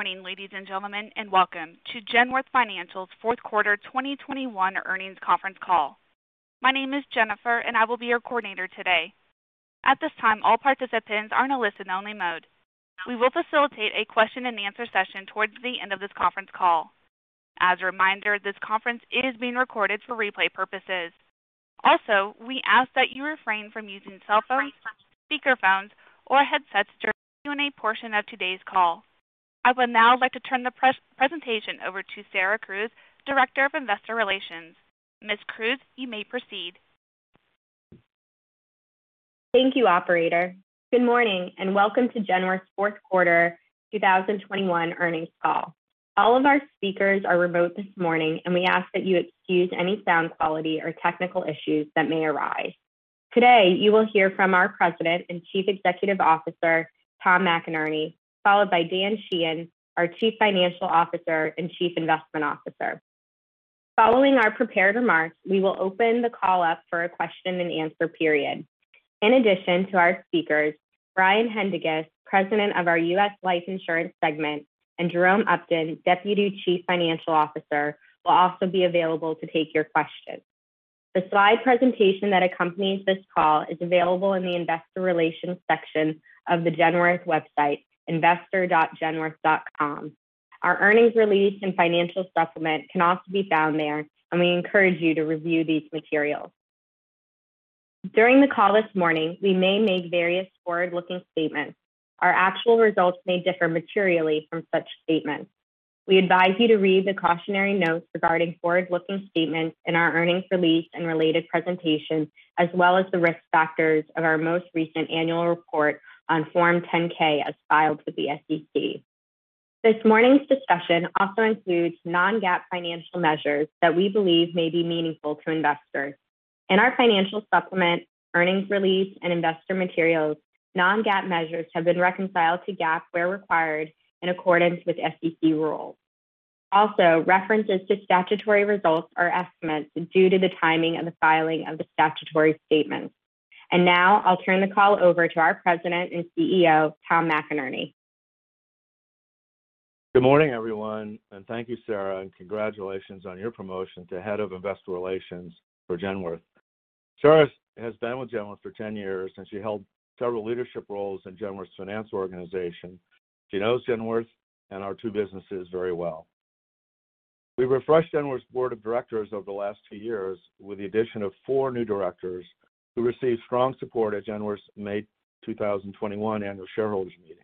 Morning, ladies and gentlemen, and welcome to Genworth Financial's fourth quarter 2021 earnings conference call. My name is Jennifer, and I will be your coordinator today. At this time, all participants are in a listen-only mode. We will facilitate a question and answer session towards the end of this conference call. As a reminder, this conference is being recorded for replay purposes. Also, we ask that you refrain from using cell phones, speaker phones or headsets during the Q&A portion of today's call. I would now like to turn the presentation over to Sarah Crews, Director of Investor Relations. Ms. Crews, you may proceed. Thank you, operator. Good morning and welcome to Genworth's fourth quarter 2021 earnings call. All of our speakers are remote this morning, and we ask that you excuse any sound quality or technical issues that may arise. Today, you will hear from our President and Chief Executive Officer, Tom McInerney, followed by Dan Sheehan, our Chief Financial Officer and Chief Investment Officer. Following our prepared remarks, we will open the call up for a question and answer period. In addition to our speakers, Brian Haendiges, President of our U.S. Life Insurance segment, and Jerome Upton, Deputy Chief Financial Officer, will also be available to take your questions. The slide presentation that accompanies this call is available in the Investor Relations section of the Genworth website, investor.genworth.com. Our earnings release and financial supplement can also be found there, and we encourage you to review these materials. During the call this morning, we may make various forward-looking statements. Our actual results may differ materially from such statements. We advise you to read the cautionary notes regarding forward-looking statements in our earnings release and related presentations, as well as the risk factors of our most recent annual report on Form 10-K as filed with the SEC. This morning's discussion also includes non-GAAP financial measures that we believe may be meaningful to investors. In our financial supplement, earnings release, and investor materials, non-GAAP measures have been reconciled to GAAP where required in accordance with SEC rules. Also, references to statutory results are estimates due to the timing of the filing of the statutory statements. Now I'll turn the call over to our President and CEO, Tom McInerney. Good morning, everyone, and thank you, Sarah, and congratulations on your promotion to Head of Investor Relations for Genworth. Sarah has been with Genworth for 10 years, and she held several leadership roles in Genworth's finance organization. She knows Genworth and our two businesses very well. We refreshed Genworth's board of directors over the last two years with the addition of four new directors who received strong support at Genworth's May 2021 annual shareholders meeting.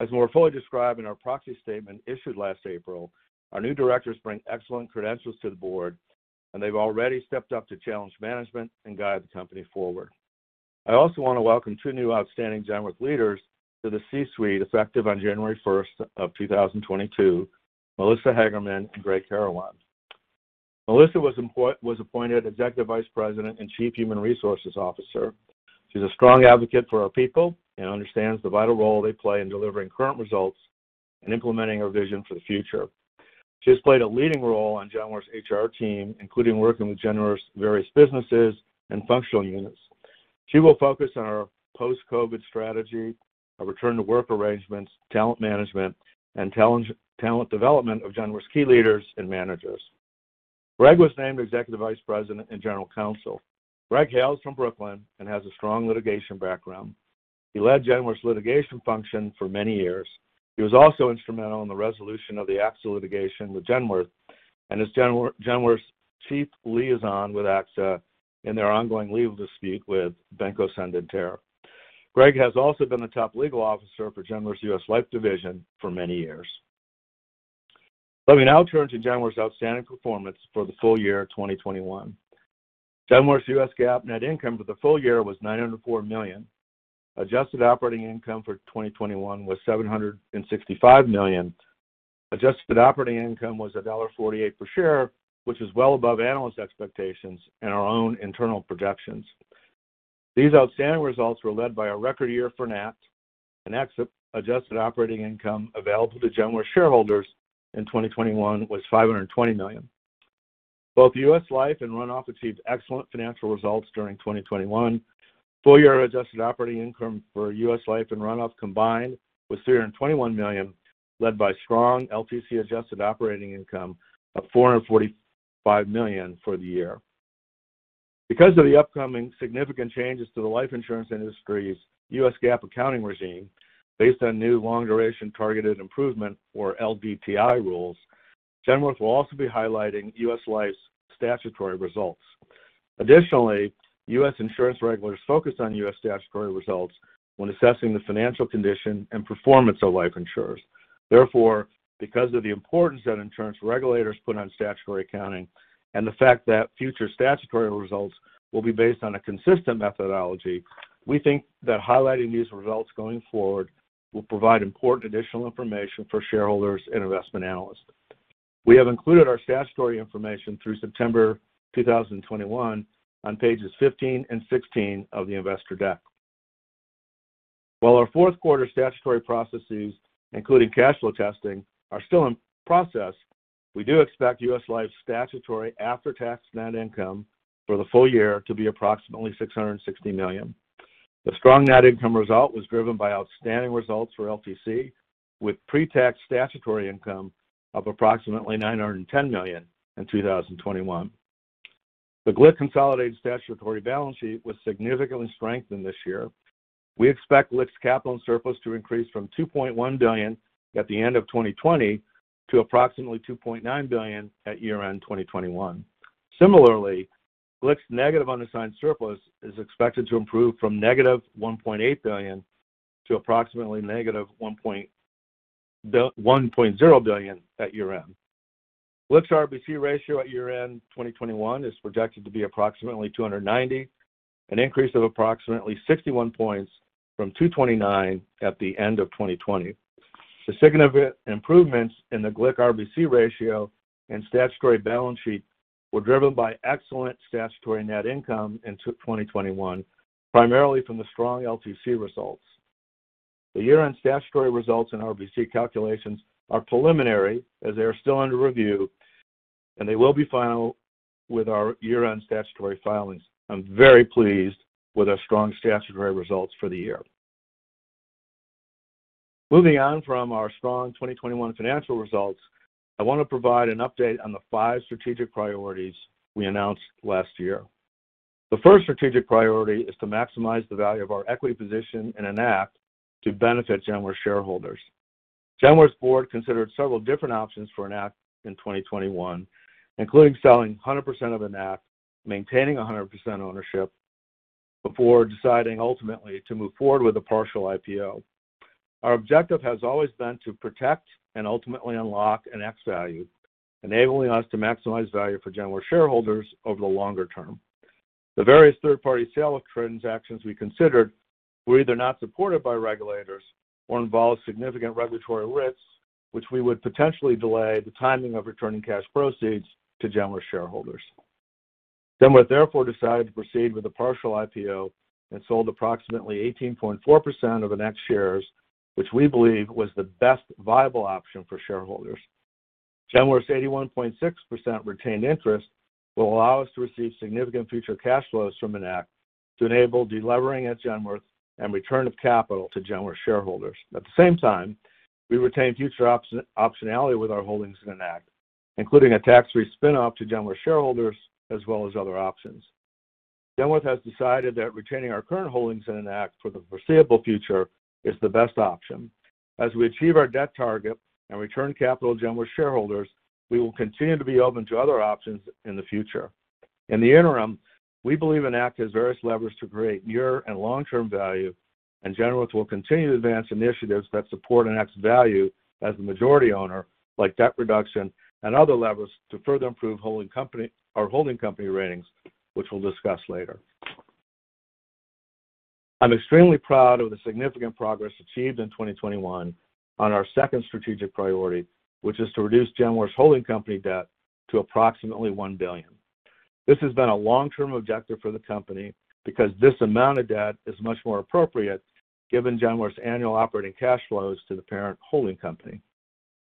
As more fully described in our proxy statement issued last April, our new directors bring excellent credentials to the board, and they've already stepped up to challenge management and guide the company forward. I also want to welcome two new outstanding Genworth leaders to the C-suite, effective on January 1 of 2022, Melissa Hagerman and Greg Carawan. Melissa was appointed Executive Vice President and Chief Human Resources Officer. She's a strong advocate for our people and understands the vital role they play in delivering current results and implementing our vision for the future. She has played a leading role on Genworth's HR team, including working with Genworth's various businesses and functional units. She will focus on our post-COVID strategy, our return to work arrangements, talent management, and talent development of Genworth's key leaders and managers. Greg was named Executive Vice President and General Counsel. Greg hails from Brooklyn and has a strong litigation background. He led Genworth's litigation function for many years. He was also instrumental in the resolution of the AXA litigation with Genworth and is Genworth's chief liaison with AXA in their ongoing legal dispute with Banco Santander. Greg has also been the top legal officer for Genworth's U.S. Life division for many years. Let me now turn to Genworth's outstanding performance for the full year of 2021. Genworth's U.S. GAAP net income for the full year was $904 million. Adjusted operating income for 2021 was $765 million. Adjusted operating income was $1.48 per share, which is well above analyst expectations and our own internal projections. These outstanding results were led by a record year for Enact, and Enact's adjusted operating income available to Genworth shareholders in 2021 was $520 million. Both U.S. Life and Run-off achieved excellent financial results during 2021. Full year adjusted operating income for U.S. Life and Run-off combined was $321 million, led by strong LTC adjusted operating income of $445 million for the year. Because of the upcoming significant changes to the life insurance industry's U.S. GAAP accounting regime, based on new Long-Duration Targeted Improvement or LDTI rules, Genworth will also be highlighting U.S. Life's statutory results. Additionally, U.S. insurance regulators focus on U.S. statutory results when assessing the financial condition and performance of life insurers. Therefore, because of the importance that insurance regulators put on statutory accounting and the fact that future statutory results will be based on a consistent methodology, we think that highlighting these results going forward will provide important additional information for shareholders and investment analysts. We have included our statutory information through September 2021 on pages 15 and 16 of the investor deck. While our fourth quarter statutory processes, including cash flow testing, are still in process. We do expect U.S. Life's statutory after-tax net income for the full year to be approximately $660 million. The strong net income result was driven by outstanding results for LTC, with pre-tax statutory income of approximately $910 million in 2021. The GLIC consolidated statutory balance sheet was significantly strengthened this year. We expect GLIC's capital surplus to increase from $2.1 billion at the end of 2020 to approximately $2.9 billion at year-end 2021. Similarly, GLIC's negative unassigned surplus is expected to improve from -$1.8 billion to approximately -$1.0 billion at year-end. GLIC's RBC ratio at year-end 2021 is projected to be approximately 290, an increase of approximately 61 points from 229 at the end of 2020. The significant improvements in the GLIC RBC ratio and statutory balance sheet were driven by excellent statutory net income in 2021, primarily from the strong LTC results. The year-end statutory results in RBC calculations are preliminary as they are still under review, and they will be final with our year-end statutory filings. I'm very pleased with our strong statutory results for the year. Moving on from our strong 2021 financial results, I want to provide an update on the five strategic priorities we announced last year. The first strategic priority is to maximize the value of our equity position in Enact to benefit Genworth shareholders. Genworth's board considered several different options for Enact in 2021, including selling 100% of Enact, maintaining 100% ownership, before deciding ultimately to move forward with a partial IPO. Our objective has always been to protect and ultimately unlock Enact's value, enabling us to maximize value for Genworth shareholders over the longer term. The various third-party sale transactions we considered were either not supported by regulators or involved significant regulatory risks, which we would potentially delay the timing of returning cash proceeds to Genworth shareholders. Genworth therefore decided to proceed with a partial IPO and sold approximately 18.4% of Enact shares, which we believe was the best viable option for shareholders. Genworth's 81.6% retained interest will allow us to receive significant future cash flows from Enact to enable de-levering at Genworth and return of capital to Genworth shareholders. At the same time, we retain future optionality with our holdings in Enact, including a tax-free spin-off to Genworth shareholders as well as other options. Genworth has decided that retaining our current holdings in Enact for the foreseeable future is the best option. As we achieve our debt target and return capital to Genworth shareholders, we will continue to be open to other options in the future. In the interim, we believe Enact has various levers to create near and long-term value, and Genworth will continue to advance initiatives that support Enact's value as the majority owner, like debt reduction and other levers to further improve holding company, our holding company ratings, which we'll discuss later. I'm extremely proud of the significant progress achieved in 2021 on our second strategic priority, which is to reduce Genworth's holding company debt to approximately $1 billion. This has been a long-term objective for the company because this amount of debt is much more appropriate given Genworth's annual operating cash flows to the parent holding company.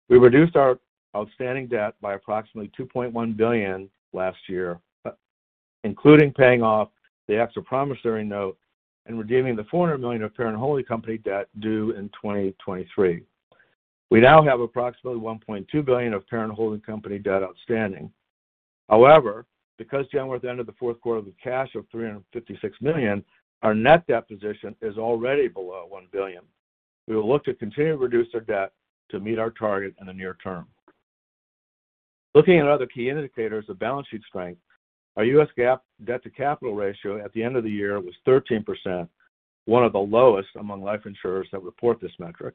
We reduced our outstanding debt by approximately $2.1 billion last year, including paying off the extra promissory note and redeeming the $400 million of parent holding company debt due in 2023. We now have approximately $1.2 billion of parent holding company debt outstanding. However, because Genworth ended the fourth quarter with cash of $356 million, our net debt position is already below $1 billion. We will look to continue to reduce our debt to meet our target in the near term. Looking at other key indicators of balance sheet strength, our U.S. GAAP debt-to-capital ratio at the end of the year was 13%, one of the lowest among life insurers that report this metric.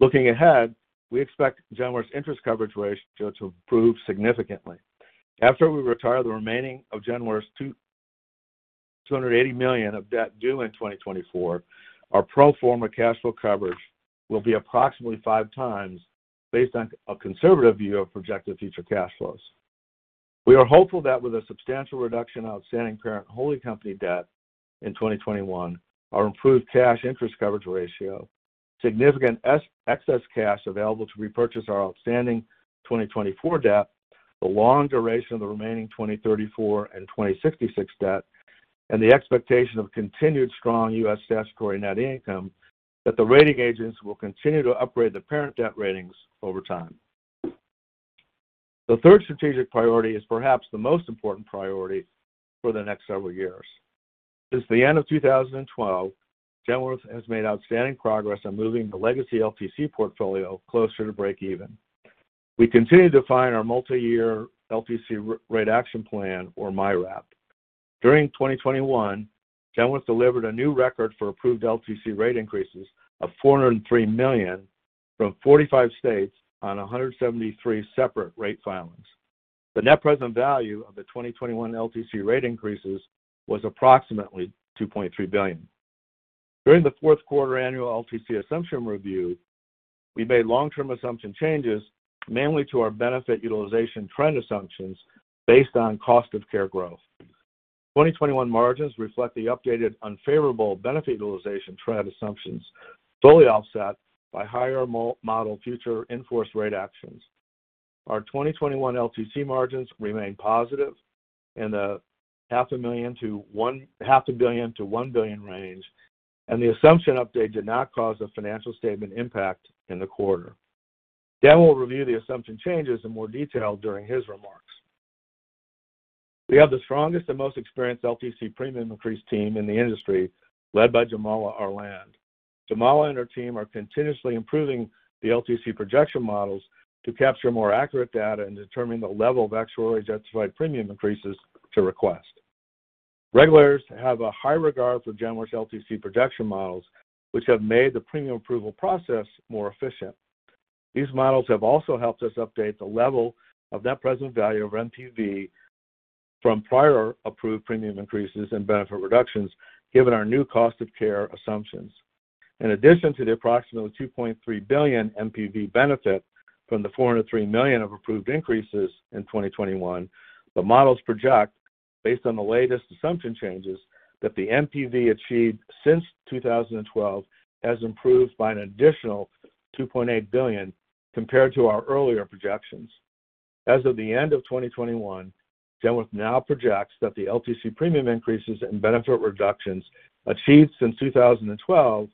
Looking ahead, we expect Genworth's interest coverage ratio to improve significantly. After we retire the remaining of Genworth's $280 million of debt due in 2024, our pro forma cash flow coverage will be approximately 5x based on a conservative view of projected future cash flows. We are hopeful that with a substantial reduction in outstanding parent holding company debt in 2021, our improved cash interest coverage ratio, significant excess cash available to repurchase our outstanding 2024 debt, the long duration of the remaining 2034 and 2066 debt, and the expectation of continued strong U.S. statutory net income, that the rating agencies will continue to upgrade the parent debt ratings over time. The third strategic priority is perhaps the most important priority for the next several years. Since the end of 2012, Genworth has made outstanding progress on moving the legacy LTC portfolio closer to breakeven. We continue to define our multi-year LTC rate action plan or MYRAP. During 2021, Genworth delivered a new record for approved LTC rate increases of $403 million from 45 states on 173 separate rate filings. The net present value of the 2021 LTC rate increases was approximately $2.3 billion. During the fourth quarter annual LTC assumption review, we made long-term assumption changes mainly to our benefit utilization trend assumptions based on cost of care growth. 2021 margins reflect the updated unfavorable benefit utilization trend assumptions fully offset by higher modeled future enforced rate actions. Our 2021 LTC margins remain positive in the half a billion to one billion range, and the assumption update did not cause a financial statement impact in the quarter. Dan will review the assumption changes in more detail during his remarks. We have the strongest and most experienced LTC premium increase team in the industry, led by Jamala Arland. Jamala and her team are continuously improving the LTC projection models to capture more accurate data and determine the level of actuarially justified premium increases to request. Regulators have a high regard for Genworth's LTC projection models, which have made the premium approval process more efficient. These models have also helped us update the level of net present value of MPV from prior approved premium increases and benefit reductions given our new cost of care assumptions. In addition to the approximately $2.3 billion MPV benefit from the $403 million of approved increases in 2021, the models project, based on the latest assumption changes, that the MPV achieved since 2012 has improved by an additional $2.8 billion compared to our earlier projections. As of the end of 2021, Genworth now projects that the LTC premium increases and benefit reductions achieved since 2012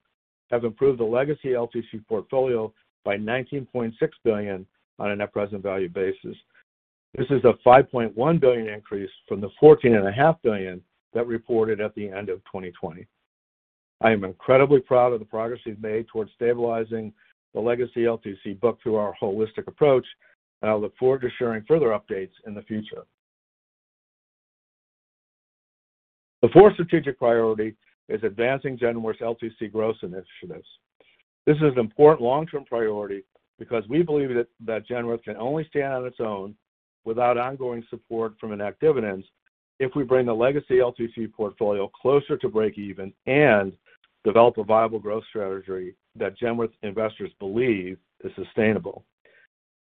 have improved the legacy LTC portfolio by $19.6 billion on a net present value basis. This is a $5.1 billion increase from the $14.5 billion that we reported at the end of 2020. I am incredibly proud of the progress we've made towards stabilizing the legacy LTC book through our holistic approach, and I look forward to sharing further updates in the future. The fourth strategic priority is advancing Genworth's LTC growth initiatives. This is an important long-term priority because we believe that Genworth can only stand on its own without ongoing support from Enact dividends if we bring the legacy LTC portfolio closer to breakeven and develop a viable growth strategy that Genworth investors believe is sustainable.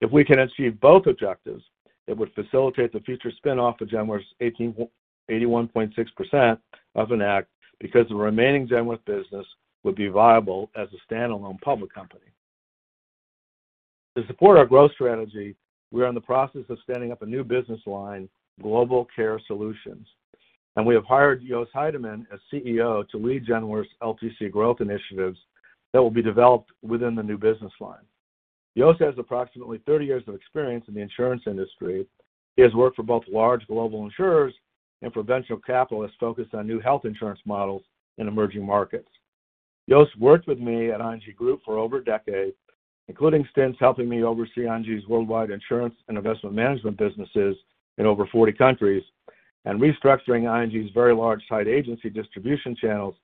If we can achieve both objectives, it would facilitate the future spin-off of Genworth's 81.6% of Enact because the remaining Genworth business would be viable as a standalone public company. To support our growth strategy, we are in the process of standing up a new business line, Global Care Solutions, and we have hired Joost Heideman as Chief Executive Officer to lead Genworth's LTC growth initiatives that will be developed within the new business line. Joost has approximately 30 years of experience in the insurance industry. He has worked for both large global insurers and for venture capitalists focused on new health insurance models in emerging markets. Joost worked with me at ING Group for over a decade, including stints helping me oversee ING's worldwide insurance and investment management businesses in over 40 countries and restructuring ING's very large site agency distribution channels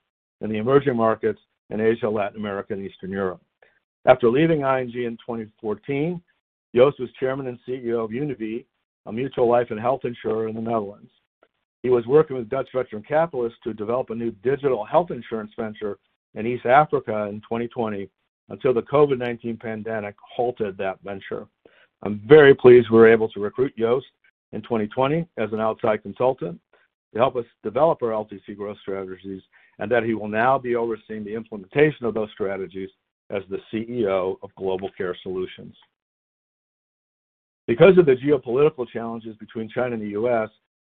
in the emerging markets in Asia, Latin America, and Eastern Europe. After leaving ING in 2014, Joost was Chairman and CEO of Univé, a mutual life and health insurer in the Netherlands. He was working with Dutch venture capitalists to develop a new digital health insurance venture in East Africa in 2020 until the COVID-19 pandemic halted that venture. I'm very pleased we were able to recruit Joost in 2020 as an outside consultant to help us develop our LTC growth strategies and that he will now be overseeing the implementation of those strategies as the Chief Executive Officer of Global Care Solutions. Because of the geopolitical challenges between China and the U.S.,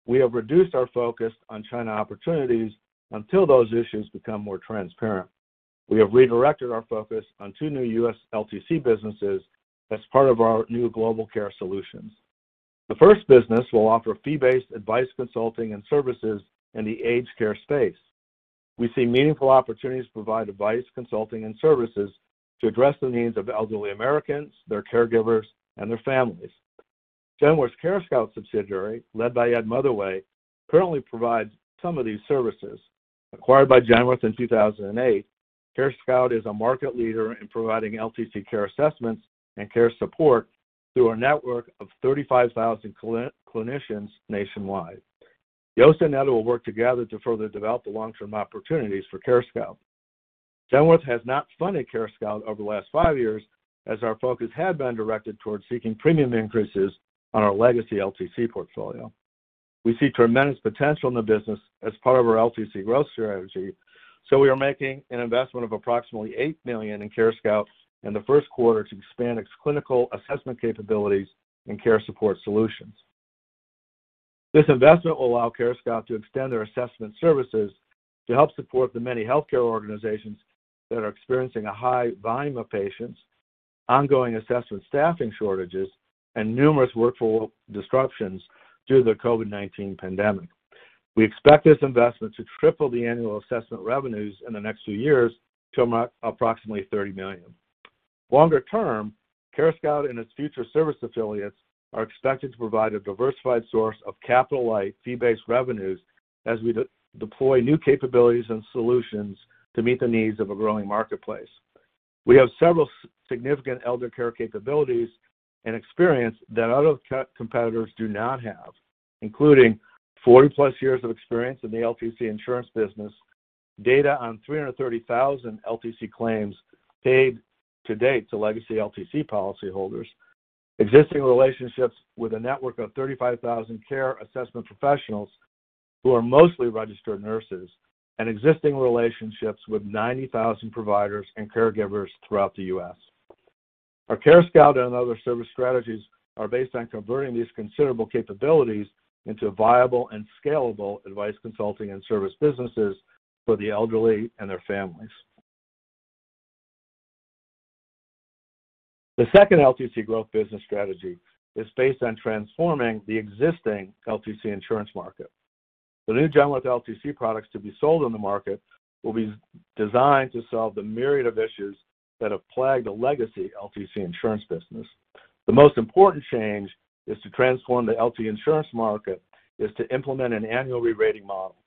we have reduced our focus on China opportunities until those issues become more transparent. We have redirected our focus on two new U.S. LTC businesses as part of our new Global Care Solutions. The first business will offer fee-based advice, consulting, and services in the aged care space. We see meaningful opportunities to provide advice, consulting, and services to address the needs of elderly Americans, their caregivers, and their families. Genworth's CareScout subsidiary, led by Ed Motherway, currently provides some of these services. Acquired by Genworth in 2008, CareScout is a market leader in providing LTC care assessments and care support through a network of 35,000 clinicians nationwide. Joost and Ed will work together to further develop the long-term opportunities for CareScout. Genworth has not funded CareScout over the last five years as our focus had been directed towards seeking premium increases on our legacy LTC portfolio. We see tremendous potential in the business as part of our LTC growth strategy, so we are making an investment of approximately $8 million in CareScout in the first quarter to expand its clinical assessment capabilities and care support solutions. This investment will allow CareScout to extend their assessment services to help support the many healthcare organizations that are experiencing a high volume of patients, ongoing assessment staffing shortages, and numerous workflow disruptions due to the COVID-19 pandemic. We expect this investment to triple the annual assessment revenues in the next few years to approximately $30 million. Longer term, CareScout and its future service affiliates are expected to provide a diversified source of capital-light fee-based revenues as we deploy new capabilities and solutions to meet the needs of a growing marketplace. We have several significant elder care capabilities and experience that other competitors do not have, including 40-plus years of experience in the LTC insurance business, data on 300,000 LTC claims paid to date to legacy LTC policyholders. Existing relationships with a network of 35,000 care assessment professionals who are mostly registered nurses and existing relationships with 90,000 providers and caregivers throughout the U.S. Our CareScout and other service strategies are based on converting these considerable capabilities into viable and scalable advice, consulting, and service businesses for the elderly and their families. The second LTC growth business strategy is based on transforming the existing LTC insurance market. The new Genworth LTC products to be sold in the market will be designed to solve the myriad of issues that have plagued the legacy LTC insurance business. The most important change to transform the LTC insurance market is to implement an annual re-rating model.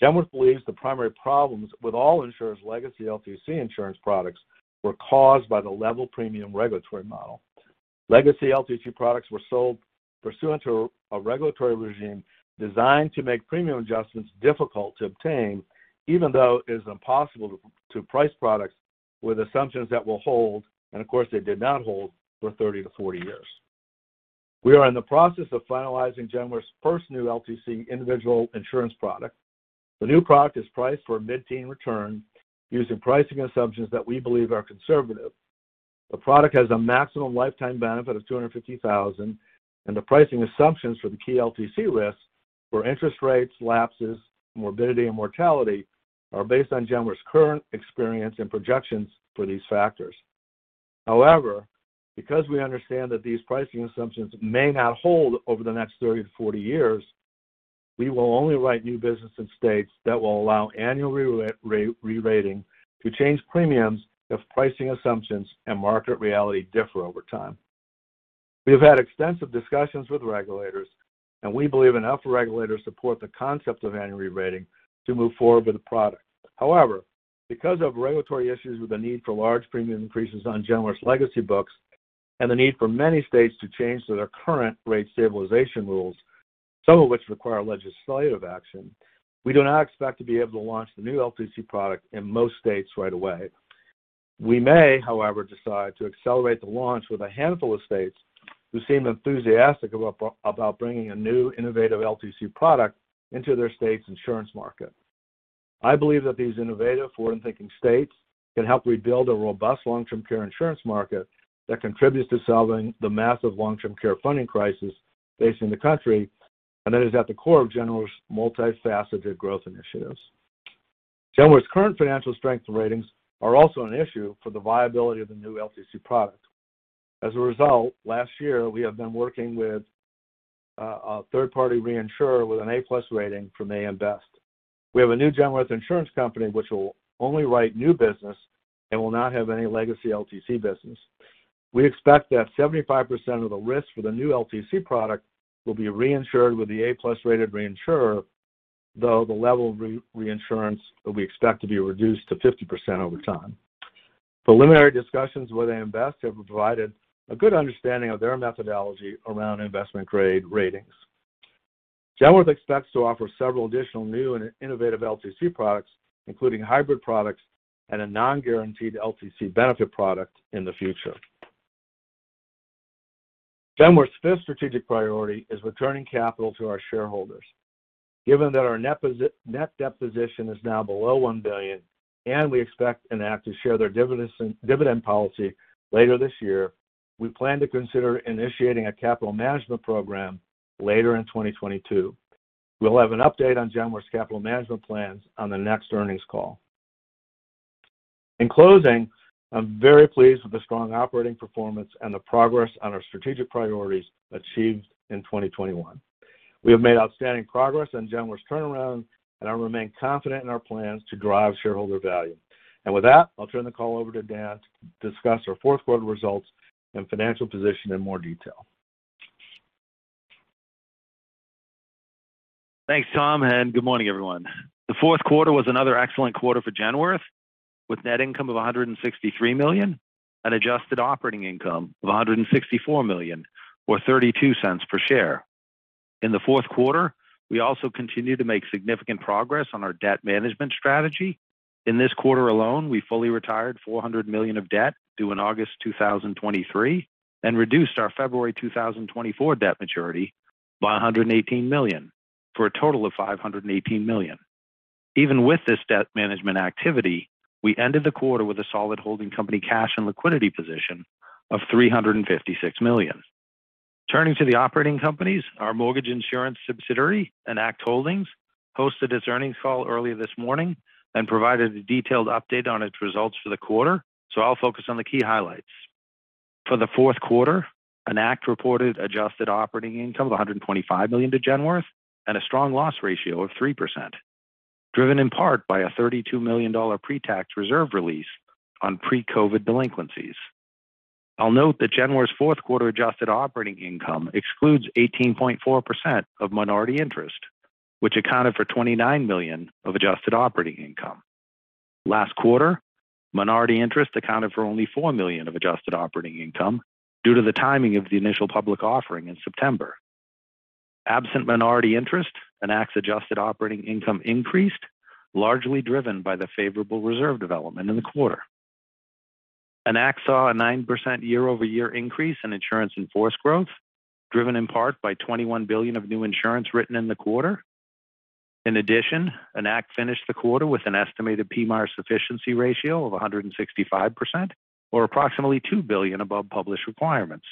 Genworth believes the primary problems with all insurers legacy LTC insurance products were caused by the level premium regulatory model. Legacy LTC products were sold pursuant to a regulatory regime designed to make premium adjustments difficult to obtain, even though it is impossible to price products with assumptions that will hold, and of course, they did not hold for 30 years - 40 years. We are in the process of finalizing Genworth's first new LTC individual insurance product. The new product is priced for a mid-teen return using pricing assumptions that we believe are conservative. The product has a maximum lifetime benefit of $250,000, and the pricing assumptions for the key LTC risks for interest rates, lapses, morbidity, and mortality are based on Genworth's current experience and projections for these factors. However, because we understand that these pricing assumptions may not hold over the next 30 years - 40 years, we will only write new business in states that will allow annual re-rate, re-rating to change premiums if pricing assumptions and market reality differ over time. We have had extensive discussions with regulators, and we believe enough regulators support the concept of annual re-rating to move forward with the product. However, because of regulatory issues with the need for large premium increases on Genworth's legacy books and the need for many states to change their current rate stabilization rules, some of which require legislative action, we do not expect to be able to launch the new LTC product in most states right away. We may, however, decide to accelerate the launch with a handful of states who seem enthusiastic about bringing a new innovative LTC product into their state's insurance market. I believe that these innovative, forward-thinking states can help rebuild a robust long-term care insurance market that contributes to solving the massive long-term care funding crisis facing the country, and that is at the core of Genworth's multifaceted growth initiatives. Genworth's current financial strength ratings are also an issue for the viability of the new LTC product. As a result, last year, we have been working with a third-party reinsurer with an A+ rating from AM Best. We have a new Genworth insurance company which will only write new business and will not have any legacy LTC business. We expect that 75% of the risk for the new LTC product will be reinsured with the A+ rated reinsurer, though the level reinsurance will be expected to be reduced to 50% over time. Preliminary discussions with AM Best have provided a good understanding of their methodology around investment-grade ratings. Genworth expects to offer several additional new and innovative LTC products, including hybrid products and a non-guaranteed LTC benefit product in the future. Genworth's fifth strategic priority is returning capital to our shareholders. Given that our net debt position is now below $1 billion, and we expect Enact to share their dividend policy later this year, we plan to consider initiating a capital management program later in 2022. We'll have an update on Genworth's capital management plans on the next earnings call. In closing, I'm very pleased with the strong operating performance and the progress on our strategic priorities achieved in 2021. We have made outstanding progress on Genworth's turnaround, and I remain confident in our plans to drive shareholder value. With that, I'll turn the call over to Dan to discuss our fourth quarter results and financial position in more detail. Thanks, Tom, and good morning, everyone. The fourth quarter was another excellent quarter for Genworth, with net income of $163 million and adjusted operating income of $164 million or $0.32 per share. In the fourth quarter, we also continued to make significant progress on our debt management strategy. In this quarter alone, we fully retired $400 million of debt due in August 2023 and reduced our February 2024 debt maturity by $118 million for a total of $518 million. Even with this debt management activity, we ended the quarter with a solid holding company cash and liquidity position of $356 million. Turning to the operating companies, our mortgage insurance subsidiary, Enact Holdings, hosted its earnings call earlier this morning and provided a detailed update on its results for the quarter, so I'll focus on the key highlights. For the fourth quarter, Enact reported adjusted operating income of $125 million to Genworth and a strong loss ratio of 3%, driven in part by a $32 million pre-tax reserve release on pre-COVID delinquencies. I'll note that Genworth's fourth quarter adjusted operating income excludes 18.4% of minority interest, which accounted for $29 million of adjusted operating income. Last quarter, minority interest accounted for only $4 million of adjusted operating income due to the timing of the initial public offering in September. Absent minority interest, Enact's adjusted operating income increased, largely driven by the favorable reserve development in the quarter. Enact saw a 9% year-over-year increase in insurance in force growth, driven in part by $21 billion of new insurance written in the quarter. In addition, Enact finished the quarter with an estimated PMIER sufficiency ratio of 165% or approximately $2 billion above published requirements.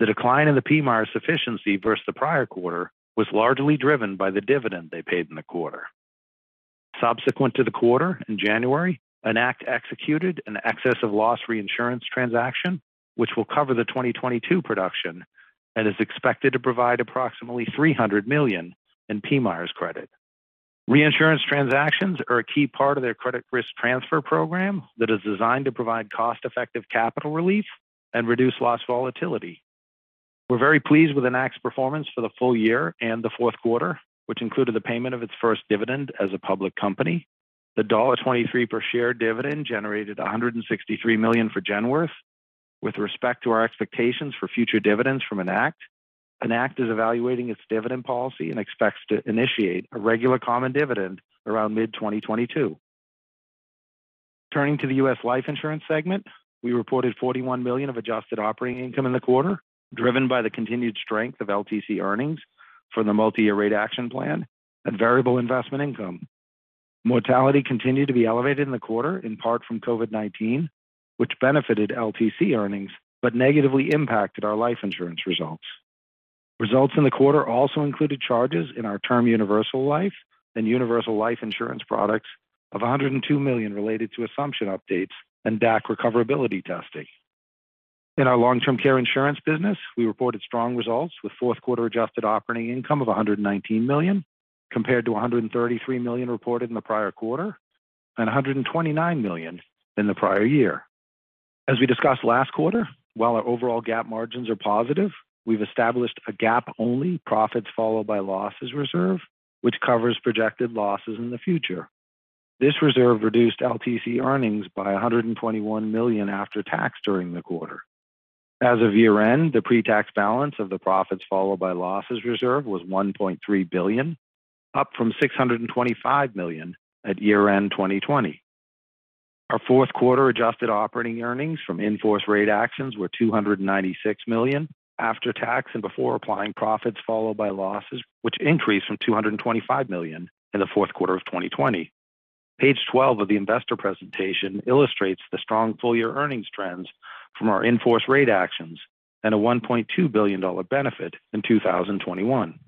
The decline in the PMIERs sufficiency versus the prior quarter was largely driven by the dividend they paid in the quarter. Subsequent to the quarter in January, Enact executed an excess of loss reinsurance transaction, which will cover the 2022 production and is expected to provide approximately $300 million in PMIER credit. Reinsurance transactions are a key part of their credit risk transfer program that is designed to provide cost-effective capital relief and reduce loss volatility. We're very pleased with Enact's performance for the full year and the fourth quarter, which included the payment of its first dividend as a public company. The $23 per share dividend generated $163 million for Genworth. With respect to our expectations for future dividends from Enact is evaluating its dividend policy and expects to initiate a regular common dividend around mid-2022. Turning to the U.S. Life Insurance segment, we reported $41 million of adjusted operating income in the quarter, driven by the continued strength of LTC earnings for the multi-year rate action plan and variable investment income. Mortality continued to be elevated in the quarter, in part from COVID-19, which benefited LTC earnings but negatively impacted our life insurance results. Results in the quarter also included charges in our term universal life and universal life insurance products of $102 million related to assumption updates and DAC recoverability testing. In our Long-Term Care insurance business, we reported strong results with fourth quarter adjusted operating income of $119 million compared to $133 million reported in the prior quarter and $129 million in the prior year. As we discussed last quarter, while our overall GAAP margins are positive, we've established a GAAP only profits followed by losses reserve, which covers projected losses in the future. This reserve reduced LTC earnings by $121 million after tax during the quarter. As of year-end, the pre-tax balance of the profits followed by losses reserve was $1.3 billion, up from $625 million at year-end 2020. Our fourth quarter adjusted operating earnings from in-force rate actions were $296 million after tax and before applying PNL, which increased from $225 million in the fourth quarter of 2020. Page 12 of the investor presentation illustrates the strong full-year earnings trends from our in-force rate actions and a $1.2 billion benefit in 2021.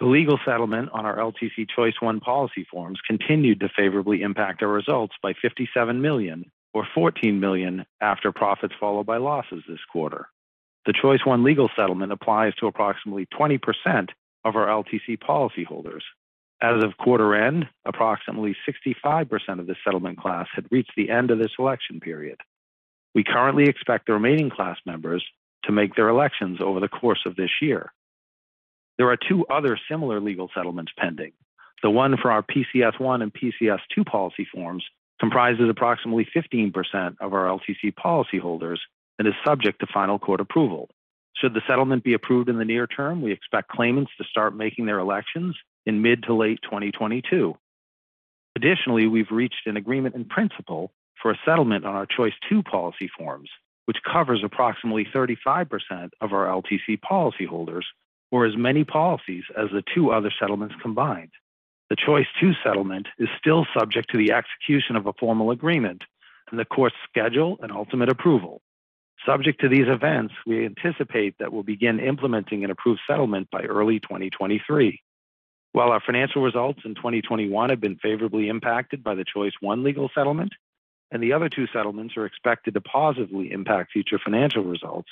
The legal settlement on our LTC Choice One policy forms continued to favorably impact our results by $57 million or $14 million after PNL this quarter. The Choice 1 legal settlement applies to approximately 20% of our LTC policyholders. As of quarter end, approximately 65% of the settlement class had reached the end of the selection period. We currently expect the remaining class members to make their elections over the course of this year. There are two other similar legal settlements pending. The one for our PCS Iand PCS II policy forms comprises approximately 15% of our LTC policyholders and is subject to final court approval. Should the settlement be approved in the near term, we expect claimants to start making their elections in mid- to late 2022. Additionally, we've reached an agreement in principle for a settlement on our Choice 2 policy forms, which covers approximately 35% of our LTC policyholders or as many policies as the two other settlements combined. The Choice Two settlement is still subject to the execution of a formal agreement and the court's schedule and ultimate approval. Subject to these events, we anticipate that we'll begin implementing an approved settlement by early 2023. While our financial results in 2021 have been favorably impacted by the Choice One legal settlement, and the other two settlements are expected to positively impact future financial results,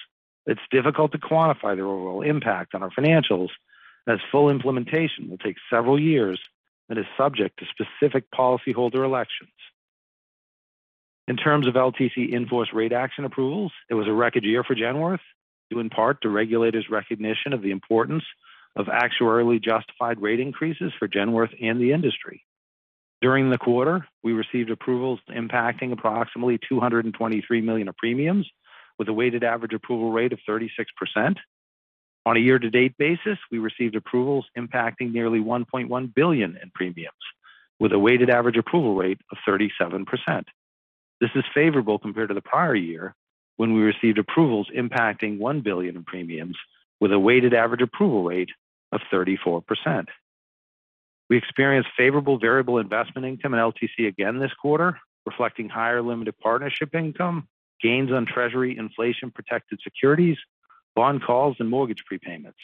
it's difficult to quantify their overall impact on our financials as full implementation will take several years and is subject to specific policyholder elections. In terms of LTC in-force rate action approvals, it was a record year for Genworth, due in part to regulators' recognition of the importance of actuarially justified rate increases for Genworth and the industry. During the quarter, we received approvals impacting approximately $223 million of premiums with a weighted average approval rate of 36%. On a year-to-date basis, we received approvals impacting nearly $1.1 billion in premiums with a weighted average approval rate of 37%. This is favorable compared to the prior year when we received approvals impacting $1 billion in premiums with a weighted average approval rate of 34%. We experienced favorable variable investment income in LTC again this quarter, reflecting higher limited partnership income, gains on treasury inflation-protected securities, bond calls, and mortgage prepayments.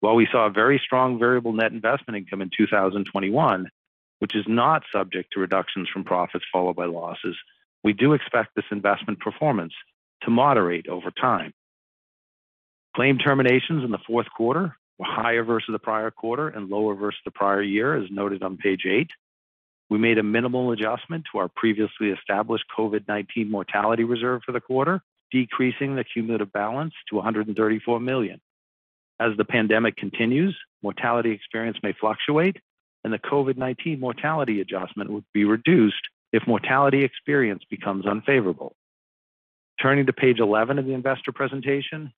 While we saw a very strong variable net investment income in 2021, which is not subject to reductions from profits followed by losses, we do expect this investment performance to moderate over time. Claim terminations in the fourth quarter were higher versus the prior quarter and lower versus the prior year, as noted on page eight. We made a minimal adjustment to our previously established COVID-19 mortality reserve for the quarter, decreasing the cumulative balance to $134 million. As the pandemic continues, mortality experience may fluctuate and the COVID-19 mortality adjustment would be reduced if mortality experience becomes unfavorable. Turning to page 11 of the investor presentation,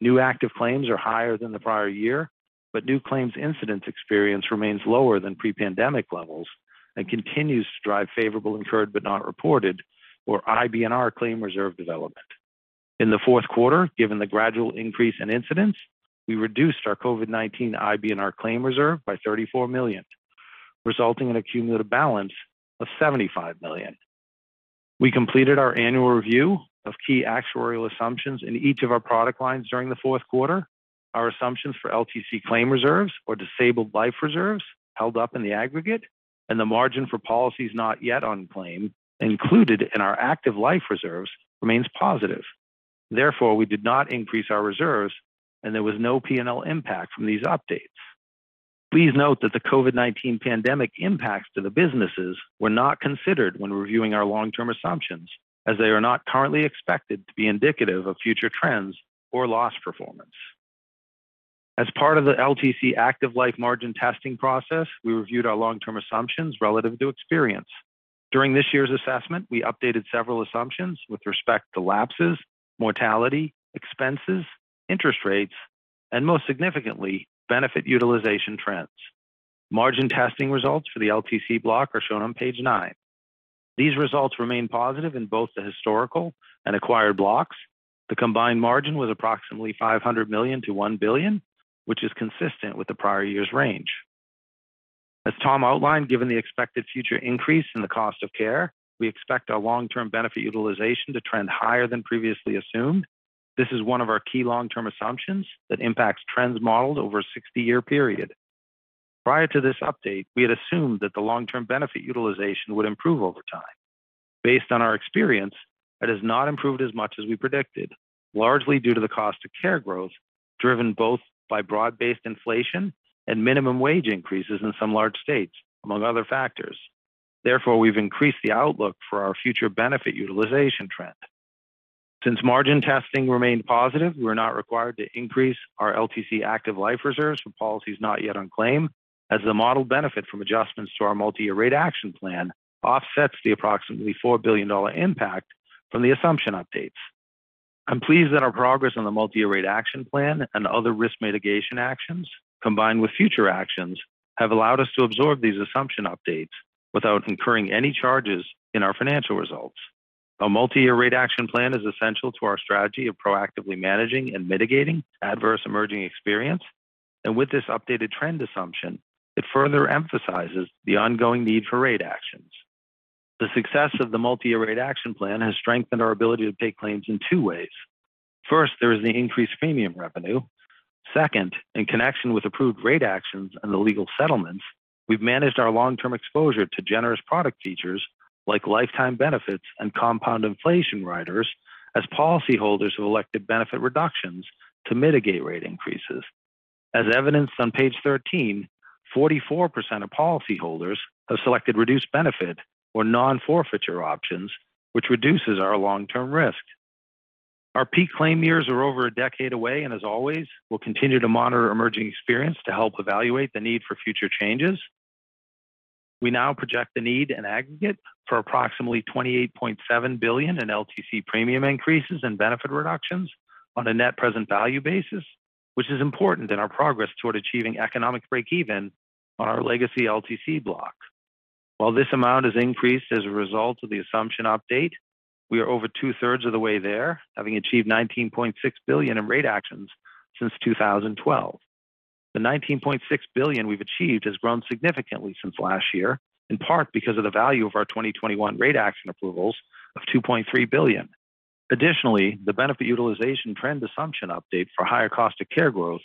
new active claims are higher than the prior year, but new claims incidence experience remains lower than pre-pandemic levels and continues to drive favorable Incurred But Not Reported or IBNR claim reserve development. In the fourth quarter, given the gradual increase in incidents, we reduced our COVID-19 IBNR claim reserve by $34 million, resulting in a cumulative balance of $75 million. We completed our annual review of key actuarial assumptions in each of our product lines during the fourth quarter. Our assumptions for LTC claim reserves or disabled life reserves held up in the aggregate, and the margin for policies not yet on claim included in our active life reserves remains positive. Therefore, we did not increase our reserves and there was no PNL impact from these updates. Please note that the COVID-19 pandemic impacts to the businesses were not considered when reviewing our long-term assumptions, as they are not currently expected to be indicative of future trends or loss performance. As part of the LTC active life margin testing process, we reviewed our long-term assumptions relative to experience. During this year's assessment, we updated several assumptions with respect to lapses, mortality, expenses, interest rates, and most significantly, benefit utilization trends. Margin testing results for the LTC block are shown on page nine. These results remain positive in both the historical and acquired blocks. The combined margin was approximately $500 million-$1 billion, which is consistent with the prior year's range. As Tom outlined, given the expected future increase in the cost of care, we expect our long-term benefit utilization to trend higher than previously assumed. This is one of our key long-term assumptions that impacts trends modeled over a 60-year period. Prior to this update, we had assumed that the long-term benefit utilization would improve over time. Based on our experience, it has not improved as much as we predicted, largely due to the cost of care growth, driven both by broad-based inflation and minimum wage increases in some large states, among other factors. Therefore, we've increased the outlook for our future benefit utilization trend. Since margin testing remained positive, we're not required to increase our LTC active life reserves for policies not yet on claim, as the model benefit from adjustments to our Multi-Year Rate Action Plan offsets the approximately $4 billion impact from the assumption updates. I'm pleased that our progress on the multi-year rate action plan and other risk mitigation actions, combined with future actions, have allowed us to absorb these assumption updates without incurring any charges in our financial results. Our multi-year rate action plan is essential to our strategy of proactively managing and mitigating adverse emerging experience. With this updated trend assumption, it further emphasizes the ongoing need for rate actions. The success of the multi-year rate action plan has strengthened our ability to pay claims in two ways. First, there is the increased premium revenue. Second, in connection with approved rate actions and the legal settlements, we've managed our long-term exposure to generous product features like lifetime benefits and compound inflation riders as policyholders who elected benefit reductions to mitigate rate increases. As evidenced on page 13, 44% of policyholders have selected reduced benefit or non-forfeiture options, which reduces our long-term risk. Our peak claim years are over a decade away, and as always, we'll continue to monitor emerging experience to help evaluate the need for future changes. We now project the need in aggregate for approximately $28.7 billion in LTC premium increases and benefit reductions on a net present value basis, which is important in our progress toward achieving economic breakeven on our legacy LTC block. While this amount has increased as a result of the assumption update, we are over two-thirds of the way there, having achieved $19.6 billion in rate actions since 2012. The $19.6 billion we've achieved has grown significantly since last year, in part because of the value of our 2021 rate action approvals of $2.3 billion. Additionally, the benefit utilization trend assumption update for higher cost of care growth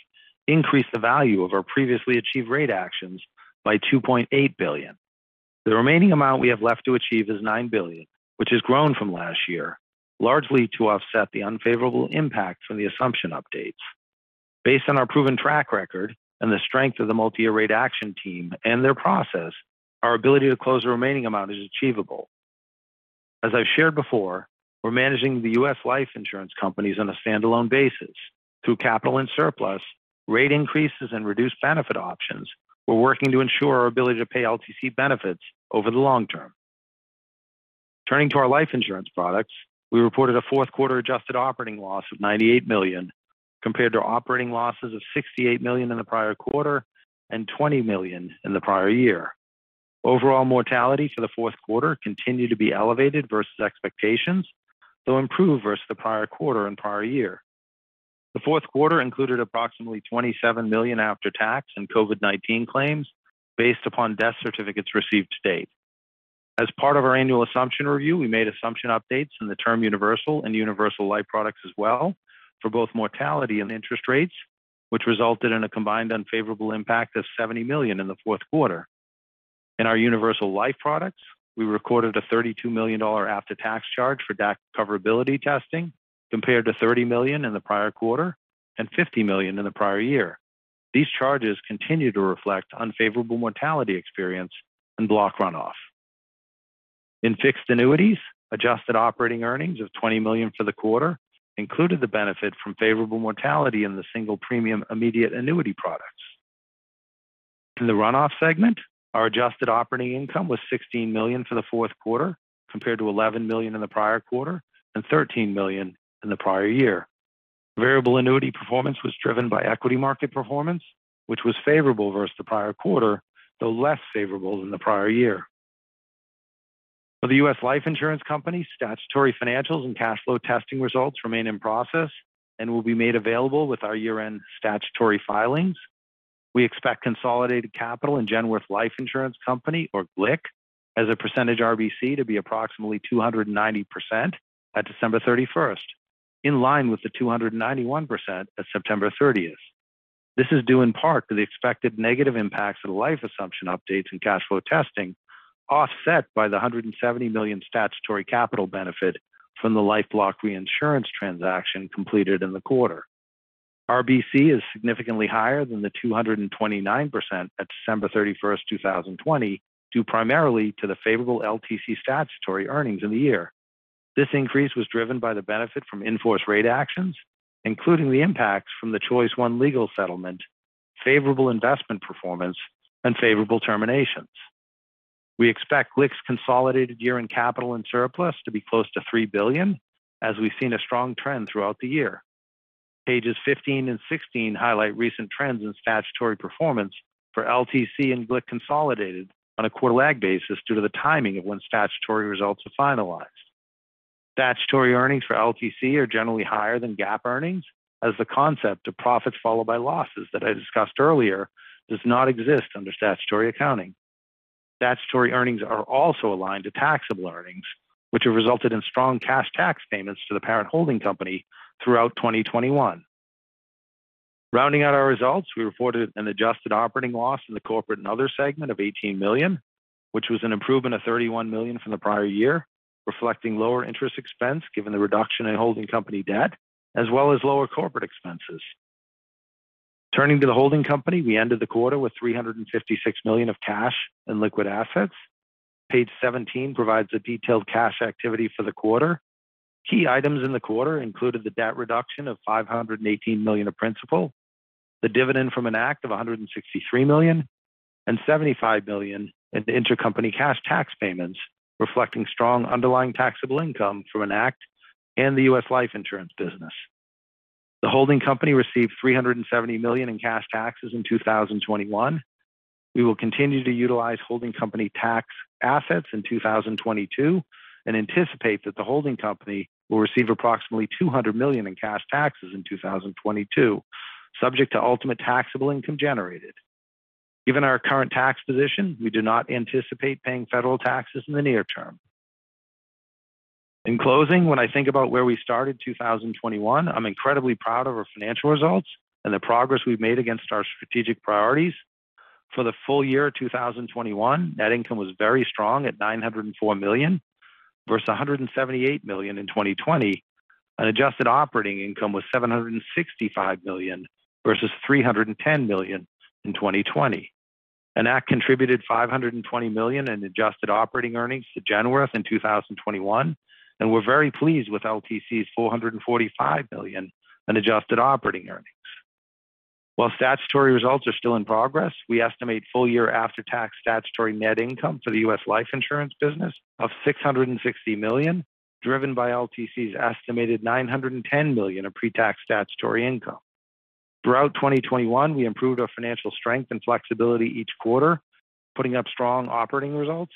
increased the value of our previously achieved rate actions by $2.8 billion. The remaining amount we have left to achieve is $9 billion, which has grown from last year, largely to offset the unfavorable impact from the assumption updates. Based on our proven track record and the strength of the multi-year rate action team and their process, our ability to close the remaining amount is achievable. As I've shared before, we're managing the U.S. Life Insurance companies on a standalone basis. Through capital and surplus, rate increases and reduced benefit options, we're working to ensure our ability to pay LTC benefits over the long term. Turning to our life insurance products, we reported a fourth quarter adjusted operating loss of $98 million, compared to operating losses of $68 million in the prior quarter and $20 million in the prior year. Overall mortality for the fourth quarter continued to be elevated versus expectations, though improved versus the prior quarter and prior year. The fourth quarter included approximately $27 million after-tax in COVID-19 claims based upon death certificates received to date. As part of our annual assumption review, we made assumption updates in the term universal and universal life products as well for both mortality and interest rates, which resulted in a combined unfavorable impact of $70 million in the fourth quarter. In our universal life products, we recorded a $32 million after-tax charge for DAC recoverability testing, compared to $30 million in the prior quarter and $50 million in the prior year. These charges continue to reflect unfavorable mortality experience and block runoff. In fixed annuities, adjusted operating earnings of $20 million for the quarter included the benefit from favorable mortality in the single premium immediate annuity products. In the runoff segment, our adjusted operating income was $16 million for the fourth quarter compared to $11 million in the prior quarter and $13 million in the prior year. Variable annuity performance was driven by equity market performance, which was favorable versus the prior quarter, though less favorable than the prior year. For the U.S. Life Insurance Company, statutory financials and cash flow testing results remain in process and will be made available with our year-end statutory filings. We expect consolidated capital in Genworth Life Insurance Company or GLIC as a percentage of RBC to be approximately 290% at December 31, in line with the 291% at September 30. This is due in part to the expected negative impacts of life assumption updates and cash flow testing, offset by the $170 million statutory capital benefit from the life block reinsurance transaction completed in the quarter. RBC is significantly higher than the 229% at December 31, 2020, due primarily to the favorable LTC statutory earnings in the year. This increase was driven by the benefit from in-force rate actions, including the impacts from the Choice One legal settlement, favorable investment performance, and favorable terminations. We expect GLIC's consolidated year-end capital and surplus to be close to $3 billion, as we've seen a strong trend throughout the year. Pages 15 and 16 highlight recent trends in statutory performance for LTC and GLIC consolidated on a quarter lag basis due to the timing of when statutory results are finalized. Statutory earnings for LTC are generally higher than GAAP earnings, as the concept of profits followed by losses that I discussed earlier does not exist under statutory accounting. Statutory earnings are also aligned to taxable earnings, which have resulted in strong cash tax payments to the parent holding company throughout 2021. Rounding out our results, we reported an adjusted operating loss in the corporate and other segment of $18 million, which was an improvement of $31 million from the prior year, reflecting lower interest expense given the reduction in holding company debt, as well as lower corporate expenses. Turning to the holding company, we ended the quarter with $356 million of cash and liquid assets. Page 17 provides a detailed cash activity for the quarter. Key items in the quarter included the debt reduction of $518 million of principal, the dividend from Enact of $163 million, and $75 million in the intercompany cash tax payments, reflecting strong underlying taxable income from Enact and the U.S. Life Insurance business. The holding company received $370 million in cash taxes in 2021. We will continue to utilize holding company tax assets in 2022, and anticipate that the holding company will receive approximately $200 million in cash taxes in 2022, subject to ultimate taxable income generated. Given our current tax position, we do not anticipate paying federal taxes in the near term. In closing, when I think about where we started 2021, I'm incredibly proud of our financial results and the progress we've made against our strategic priorities. For the full year 2021, net income was very strong at $904 million versus $178 million in 2020, and adjusted operating income was $765 million versus $310 million in 2020. Enact contributed $520 million in adjusted operating earnings to Genworth in 2021, and we're very pleased with LTC's $445 million in adjusted operating earnings. While statutory results are still in progress, we estimate full year after-tax statutory net income for the U.S. Life Insurance business of $660 million, driven by LTC's estimated $910 million of pre-tax statutory income. Throughout 2021, we improved our financial strength and flexibility each quarter, putting up strong operating results,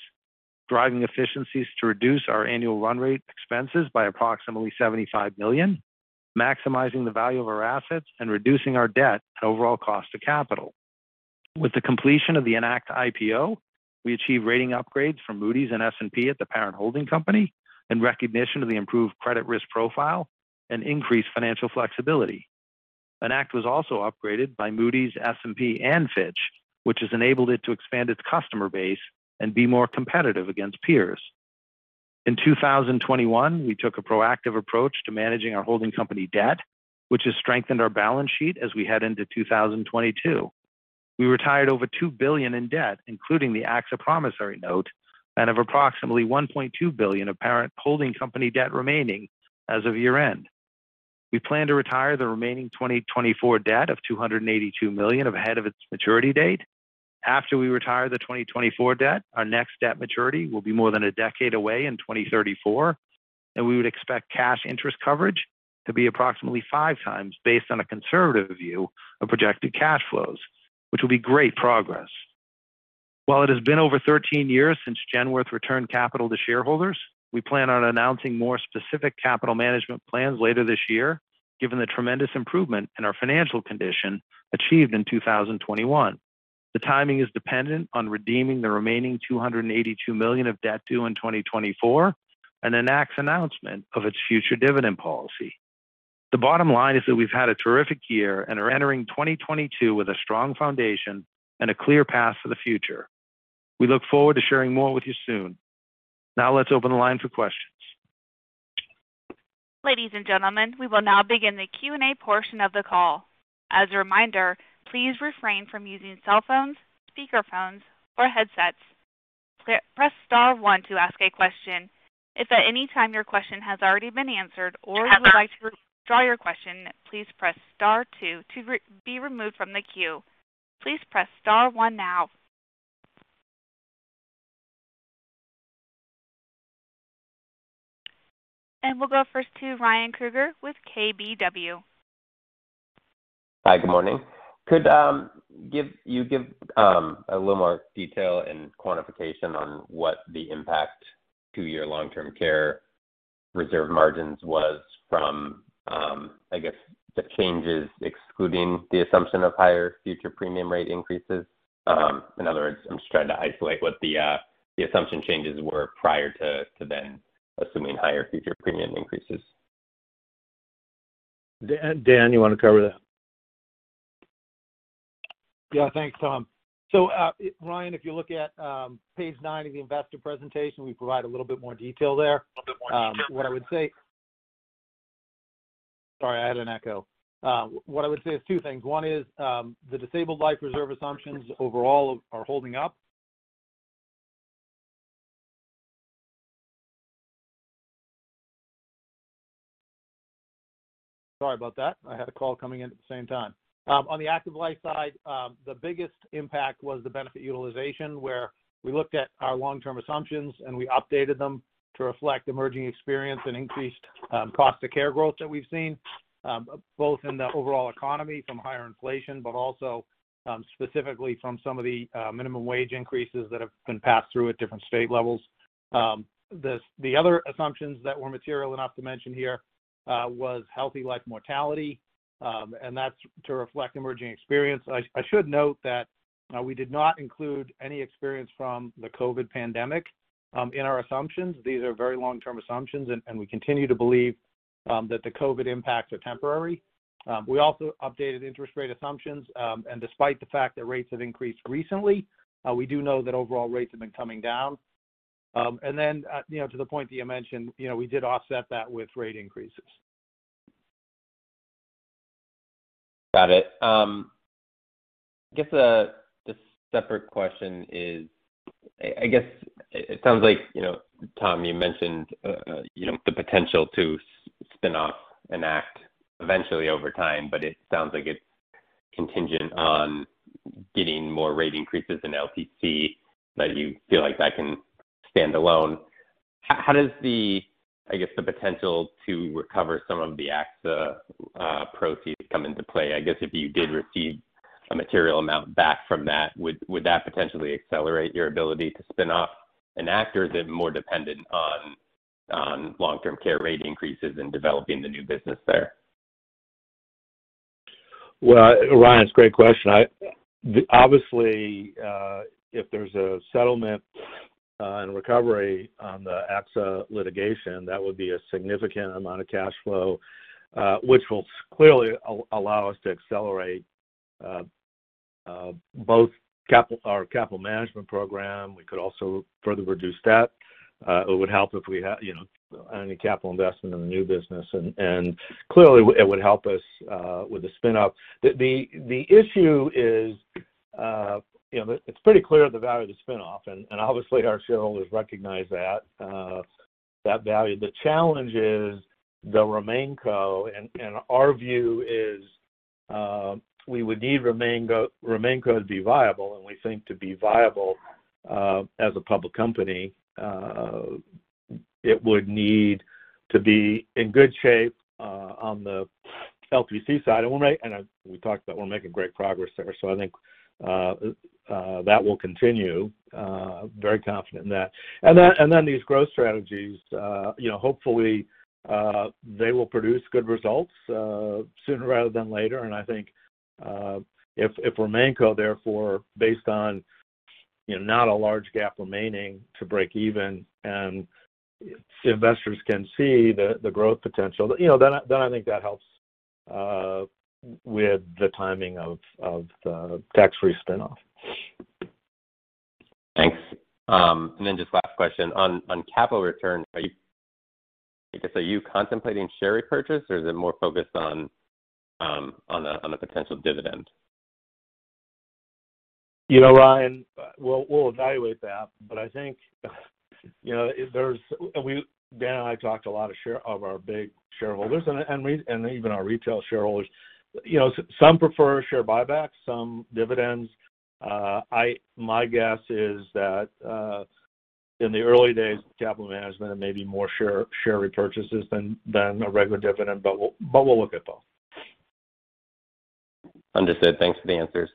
driving efficiencies to reduce our annual run rate expenses by approximately $75 million, maximizing the value of our assets, and reducing our debt and overall cost to capital. With the completion of the Enact IPO, we achieved rating upgrades from Moody's and S&P at the parent holding company in recognition of the improved credit risk profile and increased financial flexibility. Enact was also upgraded by Moody's, S&P, and Fitch, which has enabled it to expand its customer base and be more competitive against peers. In 2021, we took a proactive approach to managing our holding company debt, which has strengthened our balance sheet as we head into 2022. We retired over $2 billion in debt, including the AXA promissory note, and have approximately $1.2 billion of parent holding company debt remaining as of year-end. We plan to retire the remaining 2024 debt of $282 million ahead of its maturity date. After we retire the 2024 debt, our next debt maturity will be more than a decade away in 2034, and we would expect cash interest coverage to be approximately 5x based on a conservative view of projected cash flows, which will be great progress. While it has been over 13 years since Genworth returned capital to shareholders, we plan on announcing more specific capital management plans later this year, given the tremendous improvement in our financial condition achieved in 2021. The timing is dependent on redeeming the remaining $282 million of debt due in 2024 and Enact's announcement of its future dividend policy. The bottom line is that we've had a terrific year and are entering 2022 with a strong foundation and a clear path for the future. We look forward to sharing more with you soon. Now let's open the line for questions. Ladies and gentlemen, we will now begin the Q&A portion of the call. As a reminder, please refrain from using cell phones, speaker phones, or headsets. Press star one to ask a question. If at any time your question has already been answered or you would like to withdraw your question, please press star two to be removed from the queue. Please press star one now. We'll go first to Ryan Krueger with KBW. Hi, good morning? Could you give a little more detail and quantification on what the impact to your long-term care reserve margins was from, I guess, the changes excluding the assumption of higher future premium rate increases? In other words, I'm just trying to isolate what the assumption changes were prior to then assuming higher future premium increases. Dan, you want to cover that? Yeah, thanks, Tom. Ryan, if you look at page nine of the investor presentation, we provide a little bit more detail there. Sorry, I had an echo. What I would say is two things. One is the disabled life reserve assumptions overall are holding up. Sorry about that. I had a call coming in at the same time. On the active life side, the biggest impact was the benefit utilization, where we looked at our long-term assumptions and we updated them to reflect emerging experience and increased cost of care growth that we've seen both in the overall economy from higher inflation, but also specifically from some of the minimum wage increases that have been passed through at different state levels. The other assumptions that were material enough to mention here was healthy life mortality, and that's to reflect emerging experience. I should note that we did not include any experience from the COVID pandemic in our assumptions. These are very long-term assumptions, and we continue to believe that the COVID impacts are temporary. We also updated interest rate assumptions, and despite the fact that rates have increased recently, we do know that overall rates have been coming down. You know, to the point that you mentioned, you know, we did offset that with rate increases. Got it. I guess a separate question is, I guess it sounds like, you know, Tom, you mentioned the potential to spin off Enact eventually over time, but it sounds like it's contingent on getting more rate increases in LTC that you feel like that can stand alone. How does, I guess, the potential to recover some of the AXA proceeds come into play? I guess if you did receive a material amount back from that, would that potentially accelerate your ability to spin off Enact or that more dependent on Long-Term Care rate increases in developing the new business there? Well, Ryan, it's a great question. Obviously, if there's a settlement and recovery on the AXA litigation, that would be a significant amount of cash flow, which will clearly allow us to accelerate both our capital management program. We could also further reduce debt. It would help if we had, you know, any capital investment in the new business. Clearly, it would help us with the spin-off. The issue is, you know, it's pretty clear the value of the spin-off, and obviously our shareholders recognize that value. The challenge is the RemainCo, and our view is, we would need RemainCo to be viable, and we think to be viable, as a public company, it would need to be in good shape on the LTC side. We talked about we're making great progress there. I think that will continue, very confident in that. These growth strategies, you know, hopefully they will produce good results sooner rather than later. I think if RemainCo, therefore, based on, you know, not a large gap remaining to break even and investors can see the growth potential, you know, then I think that helps with the timing of the tax-free spin-off. Thanks. Just last question. On capital return, are you contemplating share repurchase or is it more focused on a potential dividend? You know, Ryan, we'll evaluate that. I think, you know, Dan and I talked a lot to our big shareholders and even our retail shareholders. You know, some prefer share buybacks, some dividends. My guess is that in the early days of capital management, it may be more share repurchases than a regular dividend, but we'll look at both. Understood. Thanks for the answers.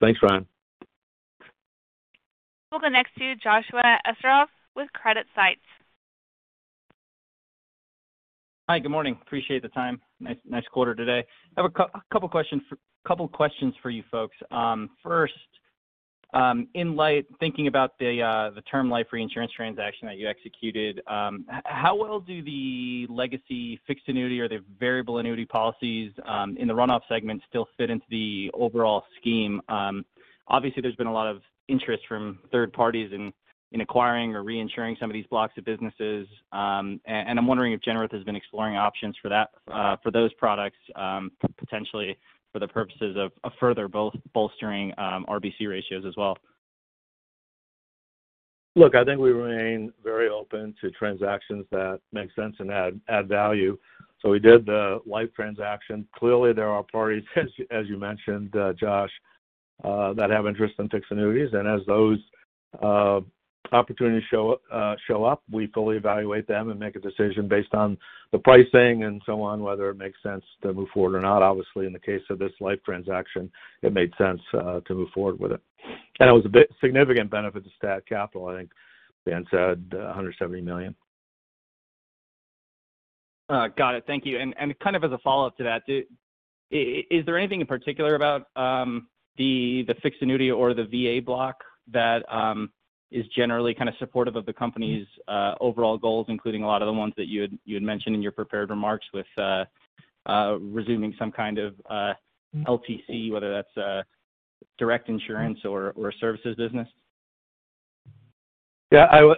Thanks, Ryan. We'll go next to Josh Esterov with CreditSights. Hi. Good morning? I appreciate the time. Nice quarter today. I have a couple questions for you folks. First, in light of the term life reinsurance transaction that you executed, how well do the legacy fixed annuity or the variable annuity policies in the run-off segment still fit into the overall scheme? Obviously, there's been a lot of interest from third parties in acquiring or reinsuring some of these blocks of business. I'm wondering if Genworth has been exploring options for that for those products potentially for the purposes of further bolstering RBC ratios as well. Look, I think we remain very open to transactions that make sense and add value. We did the life transaction. Clearly, there are parties, as you mentioned, Josh, that have interest in fixed annuities. As those opportunities show up, we fully evaluate them and make a decision based on the pricing and so on, whether it makes sense to move forward or not. Obviously, in the case of this life transaction, it made sense to move forward with it. It was a big significant benefit to stat capital. I think Dan said $170 million. Got it. Thank you. Kind of as a follow-up to that, is there anything in particular about the fixed annuity or the VA block that is generally kind of supportive of the company's overall goals, including a lot of the ones that you had mentioned in your prepared remarks with resuming some kind of LTC, whether that's direct insurance or a services business? Yeah.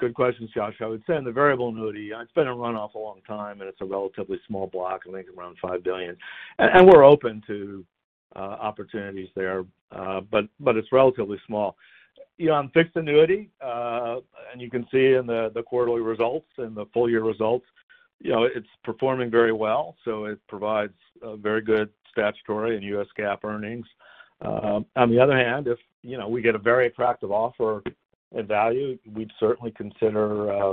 Good question, Josh. I would say on the variable annuity, it's been a run-off a long time, and it's a relatively small block, I think, around $5 billion. And we're open to opportunities there, but it's relatively small. On fixed annuity, and you can see in the quarterly results and the full-year results, you know, it's performing very well, so it provides very good statutory and U.S. GAAP earnings. On the other hand, if, you know, we get a very attractive offer and value, we'd certainly consider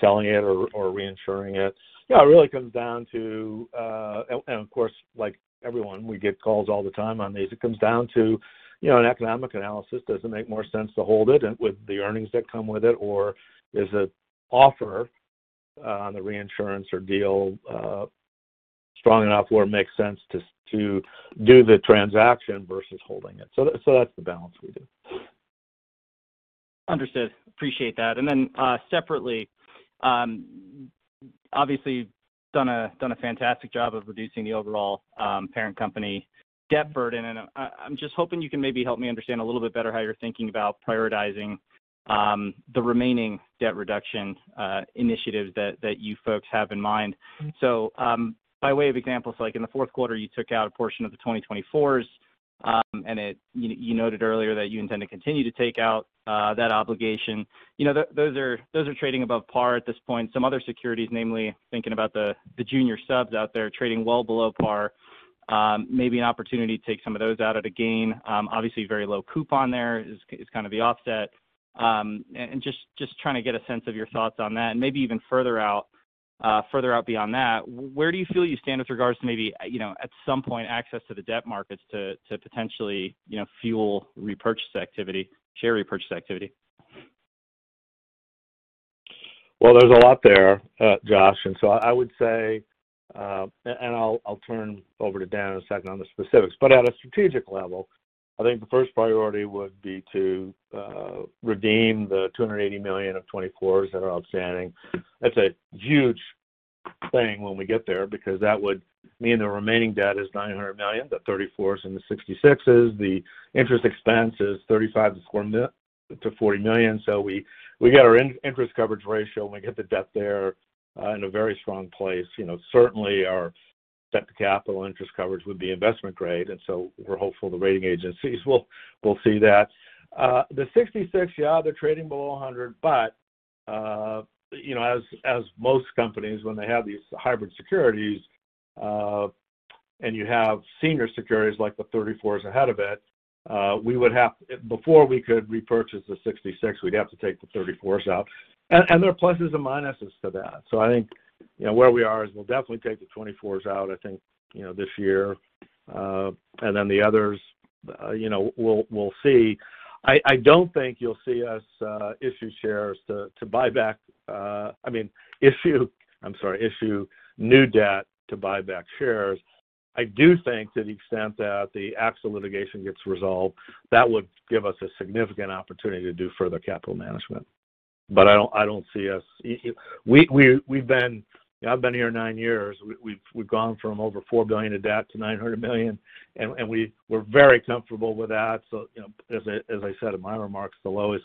selling it or reinsuring it. Yeah, it really comes down to. Of course, like everyone, we get calls all the time on these. It comes down to, you know, an economic analysis. Does it make more sense to hold it and with the earnings that come with it, or is the offer on the reinsurance or deal strong enough where it makes sense to do the transaction versus holding it. That's the balance we do. Understood. Appreciate that. Then, separately, obviously, you've done a fantastic job of reducing the overall parent company debt burden. I'm just hoping you can maybe help me understand a little bit better how you're thinking about prioritizing the remaining debt reduction initiatives that you folks have in mind. By way of examples, like in the fourth quarter, you took out a portion of the 2024s. You noted earlier that you intend to continue to take out that obligation. You know, those are trading above par at this point. Some other securities, namely, thinking about the junior subs out there are trading well below par, maybe an opportunity to take some of those out at a gain. Obviously, very low coupon there is kind of the offset. Just trying to get a sense of your thoughts on that. Maybe even further out beyond that, where do you feel you stand with regards to maybe, you know, at some point access to the debt markets to potentially, you know, fuel repurchase activity, share repurchase activity? Well, there's a lot there, Josh. I would say, and I'll turn over to Dan in a second on the specifics. At a strategic level, I think the first priority would be to redeem the $280 million of 2024s that are outstanding. That's a huge thing when we get there because that would mean the remaining debt is $900 million, the 2034s and the 2066s. The interest expense is $35 million-$40 million. We got our interest coverage ratio, and we get the debt there in a very strong place. You know, certainly our debt to capital interest coverage would be investment grade, and we're hopeful the rating agencies will see that. The sixty-sixes, yeah, they're trading below 100. You know, as most companies, when they have these hybrid securities, and you have senior securities like the 34s ahead of it, before we could repurchase the 66, we'd have to take the 34s out. There are pluses and minuses to that. I think, you know, where we are is we'll definitely take the 24s out, I think, you know, this year. Then the others, you know, we'll see. I don't think you'll see us issue shares to buy back, I mean, issue new debt to buy back shares. I do think to the extent that the AXA litigation gets resolved, that would give us a significant opportunity to do further capital management. I don't see us. I've been here nine years. We've gone from over $4 billion of debt to $900 million, and we're very comfortable with that. You know, as I said in my remarks, the lowest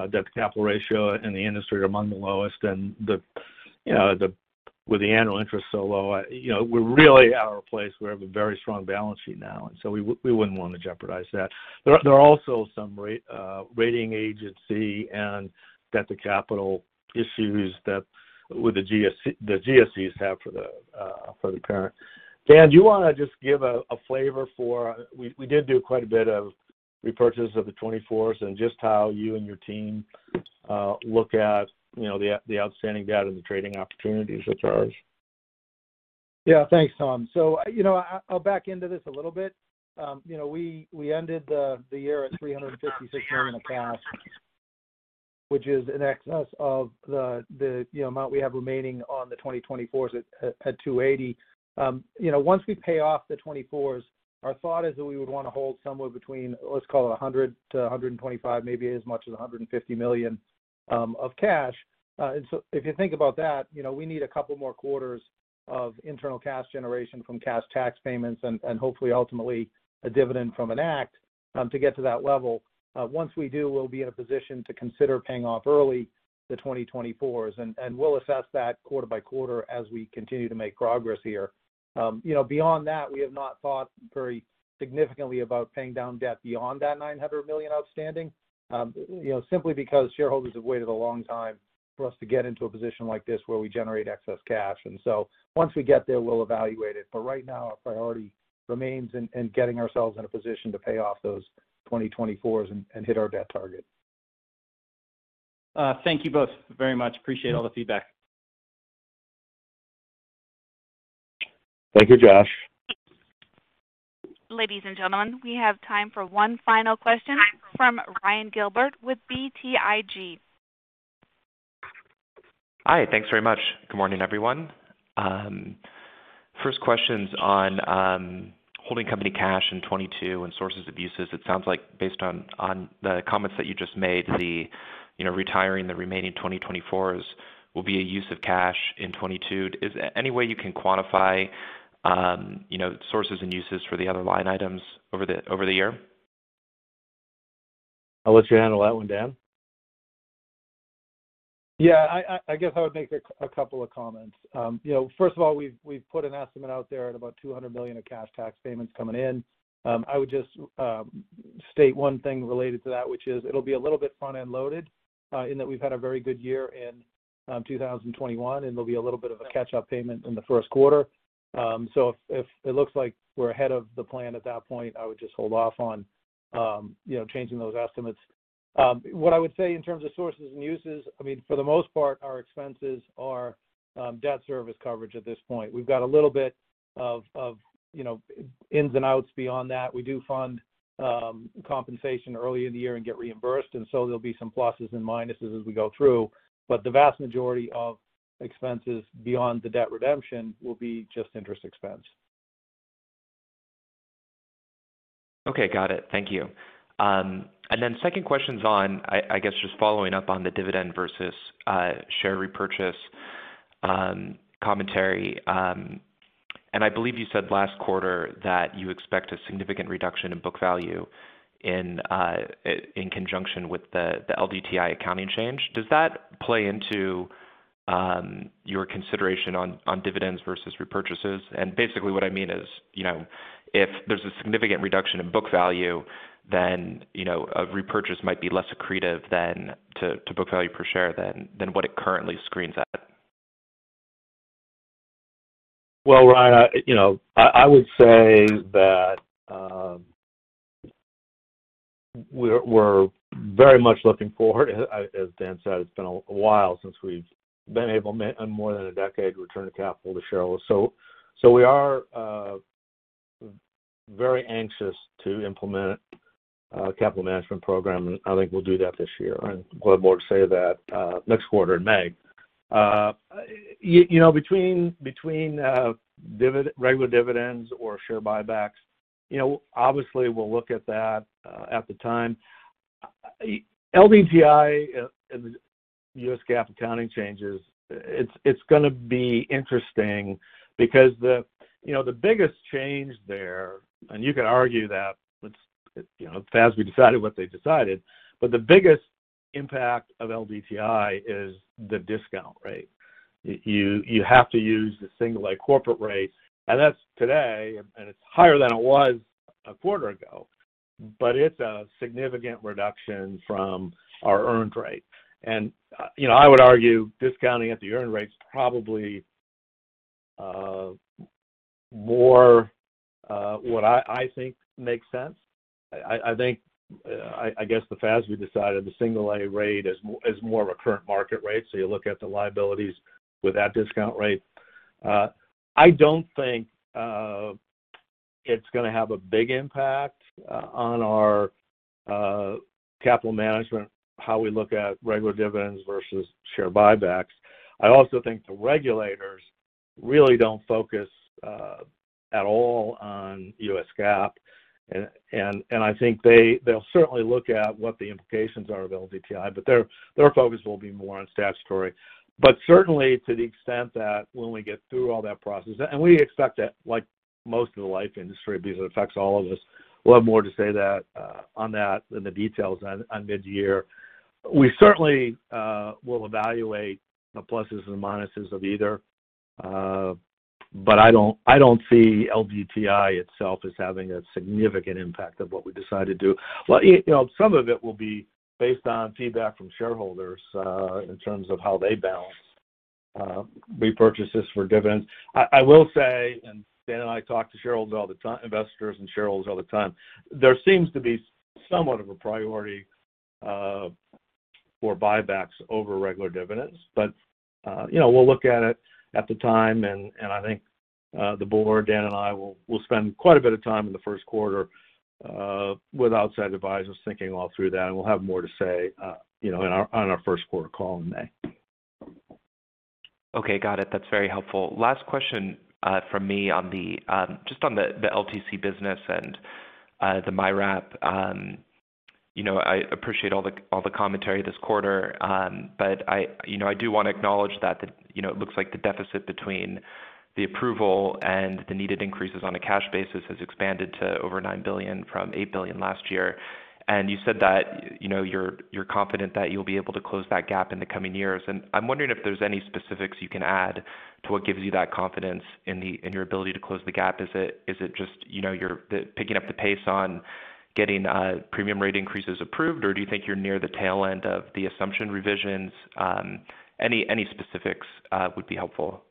debt to capital ratio in the industry or among the lowest. You know, with the annual interest so low, you know, we're really in a good place. We have a very strong balance sheet now, and we wouldn't want to jeopardize that. There are also some rating agency and debt to capital issues that the GSEs have for the parent. Dan, do you want to just give a flavor for we did do quite a bit of repurchase of the 2024s and just how you and your team look at, you know, the outstanding debt and the trading opportunities with ours. Yeah. Thanks, Tom. So, you know, I'll back into this a little bit. You know, we ended the year at $356 million in cash, which is in excess of the amount we have remaining on the 2024s at $280. You know, once we pay off the 2024s, our thought is that we would want to hold somewhere between, let's call it $100-$125, maybe as much as $150 million, of cash. If you think about that, you know, we need a couple more quarters of internal cash generation from cash tax payments and hopefully ultimately a dividend from Enact to get to that level. Once we do, we'll be in a position to consider paying off early the 2024s, and we'll assess that quarter by quarter as we continue to make progress here. You know, beyond that, we have not thought very Significantly about paying down debt beyond that $900 million outstanding, you know, simply because shareholders have waited a long time for us to get into a position like this where we generate excess cash. Once we get there, we'll evaluate it. Right now, our priority remains in getting ourselves in a position to pay off those 2024s and hit our debt target. Thank you both very much. Appreciate all the feedback. Thank you, Josh. Ladies and gentlemen, we have time for one final question from Ryan Gilbert with BTIG. Hi. Thanks very much. Good morning, everyone. First question's on holding company cash in 2022 and sources of uses. It sounds like based on the comments that you just made, you know, retiring the remaining 2024s will be a use of cash in 2022. Is there any way you can quantify sources and uses for the other line items over the year? I'll let you handle that one, Dan. Yeah. I guess I would make a couple of comments. You know, first of all, we've put an estimate out there at about $200 million of cash tax payments coming in. I would just state one thing related to that, which is it'll be a little bit front-end loaded in that we've had a very good year in 2021, and there'll be a little bit of a catch-up payment in the first quarter. So if it looks like we're ahead of the plan at that point, I would just hold off on you know, changing those estimates. What I would say in terms of sources and uses, I mean, for the most part, our expenses are debt service coverage at this point. We've got a little bit of you know ins and outs beyond that. We do fund compensation early in the year and get reimbursed, and so there'll be some pluses and minuses as we go through. The vast majority of expenses beyond the debt redemption will be just interest expense. Okay. Got it. Thank you. Second question's on, I guess, just following up on the dividend versus share repurchase commentary. I believe you said last quarter that you expect a significant reduction in book value in conjunction with the LDTI accounting change. Does that play into your consideration on dividends versus repurchases? Basically what I mean is, you know, if there's a significant reduction in book value, then, you know, a repurchase might be less accretive than to book value per share than what it currently screens at. Well, Ryan, you know, I would say that we're very much looking forward. As Dan said, it's been a while since we've been able, in more than a decade, to return capital to shareholders. We are very anxious to implement a capital management program, and I think we'll do that this year. I have more to say that next quarter in May. You know, between regular dividends or share buybacks, you know, obviously we'll look at that at the time. LDTI is U.S. GAAP accounting changes. It's gonna be interesting because you know, the biggest change there, and you could argue that, you know, FASB decided what they decided, but the biggest impact of LDTI is the discount rate. You have to use the single A corporate rate, and that's today, and it's higher than it was a quarter ago. It's a significant reduction from our earned rate. You know, I would argue discounting at the earned rate is probably more what I think makes sense. I think I guess the FASB decided the single A rate is more of a current market rate, so you look at the liabilities with that discount rate. I don't think it's gonna have a big impact on our capital management, how we look at regular dividends versus share buybacks. I also think the regulators really don't focus at all on U.S. GAAP. I think they'll certainly look at what the implications are of LDTI, but their focus will be more on statutory. Certainly to the extent that when we get through all that process, and we expect that like most of the life industry, because it affects all of us. We'll have more to say that, on that in the details on mid-year. We certainly will evaluate the pluses and minuses of either, but I don't see LDTI itself as having a significant impact of what we decide to do. You know, some of it will be based on feedback from shareholders, in terms of how they balance, repurchases for dividends. I will say, and Dan and I talk to shareholders all the time, investors and shareholders all the time, there seems to be somewhat of a priority, for buybacks over regular dividends. You know, we'll look at it at the time, and I think the board, Dan and I will spend quite a bit of time in the first quarter with outside advisors thinking all through that. We'll have more to say, you know, on our first quarter call in May. Okay. Got it. That's very helpful. Last question from me on just on the LTC business and the MYRAP. You know, I appreciate all the commentary this quarter. I you know I do want to acknowledge that you know it looks like the deficit between the approval and the needed increases on a cash basis has expanded to over $9 billion from $8 billion last year. You said that you know you're confident that you'll be able to close that gap in the coming years. I'm wondering if there's any specifics you can add to what gives you that confidence in your ability to close the gap. Is it just, you know, you're picking up the pace on getting premium rate increases approved, or do you think you're near the tail end of the assumption revisions? Any specifics would be helpful.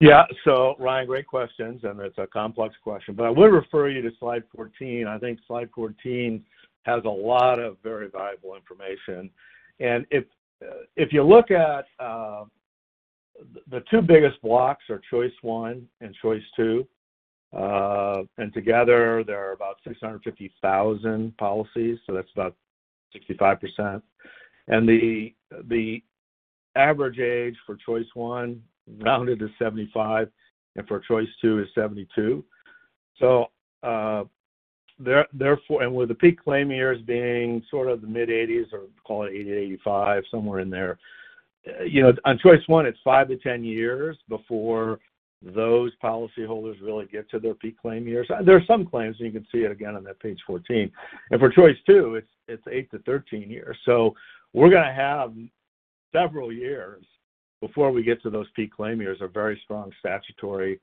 Yeah. Ryan, great questions, and it's a complex question, but I would refer you to slide 14. I think slide 14 has a lot of very valuable information. If you look at the two biggest blocks are Choice One and Choice Two. Together, there are about 650,000 policies, so that's about 65%. The average age for Choice One rounded to 75, and for Choice Two is 72. Therefore, with the peak claim years being sort of the mid-80s or call it 80-85, somewhere in there. You know, on Choice One, it's five to 10 years before those policyholders really get to their peak claim years. There are some claims, and you can see it again on that page 14. For Choice Two, it's eight to 13 years. We're gonna have several years before we get to those peak claim years of very strong statutory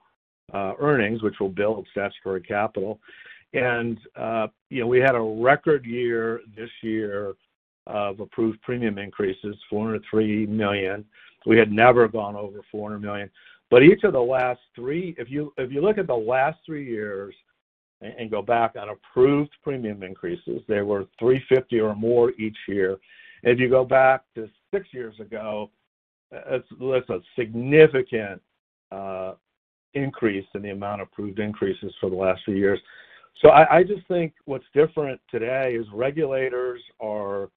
earnings, which will build statutory capital. You know, we had a record year this year of approved premium increases, $403 million. We had never gone over $400 million. Each of the last three years, if you look at the last three years and go back on approved premium increases, they were $350 or more each year. If you go back to six years ago, it's, look, a significant increase in the amount of approved increases for the last few years. I just think what's different today is regulators are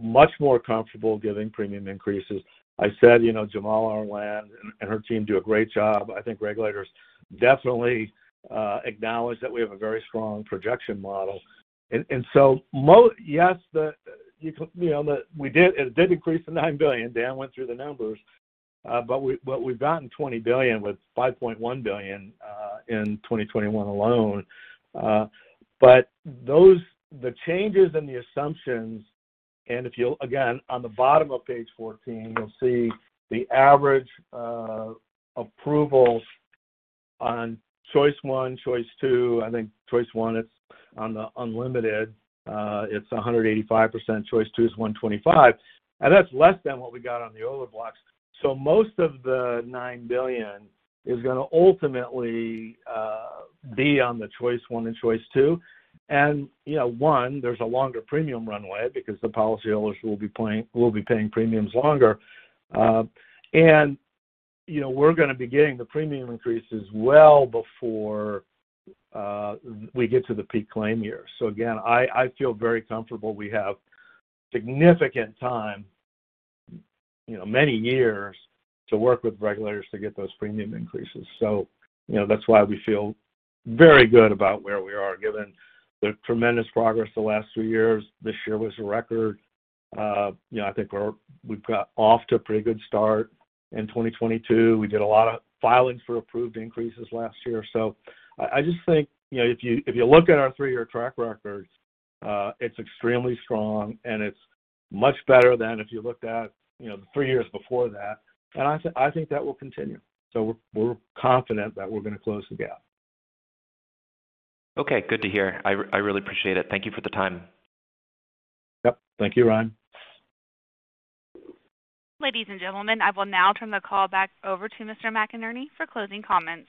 much more comfortable giving premium increases. I said, you know, Jamala Arland and her team do a great job. I think regulators definitely acknowledge that we have a very strong projection model. It did decrease to $9 billion. Dan went through the numbers. We've gotten $20 billion with $5.1 billion in 2021 alone. The changes in the assumptions, and if you'll again, on the bottom of page 14, you'll see the average approvals on Choice One, Choice Two. I think Choice One, it's on the unlimited, it's 185%. Choice Two is 125%, and that's less than what we got on the older blocks. Most of the $9 billion is gonna ultimately be on the Choice One and Choice Two. You know, one, there's a longer premium runway because the policyholders will be paying premiums longer. You know, we're gonna be getting the premium increases well before we get to the peak claim year. Again, I feel very comfortable we have significant time, you know, many years to work with regulators to get those premium increases. You know, that's why we feel very good about where we are, given the tremendous progress the last two years. This year was a record. You know, I think we've got off to a pretty good start in 2022. We did a lot of filings for approved increases last year. I just think, you know, if you look at our three-year track records, it's extremely strong, and it's much better than if you looked at, you know, the three years before that. I think that will continue. We're confident that we're gonna close the gap. Okay, good to hear. I really appreciate it. Thank you for the time. Yep. Thank you, Ryan. Ladies and gentlemen, I will now turn the call back over to Mr. McInerney for closing comments.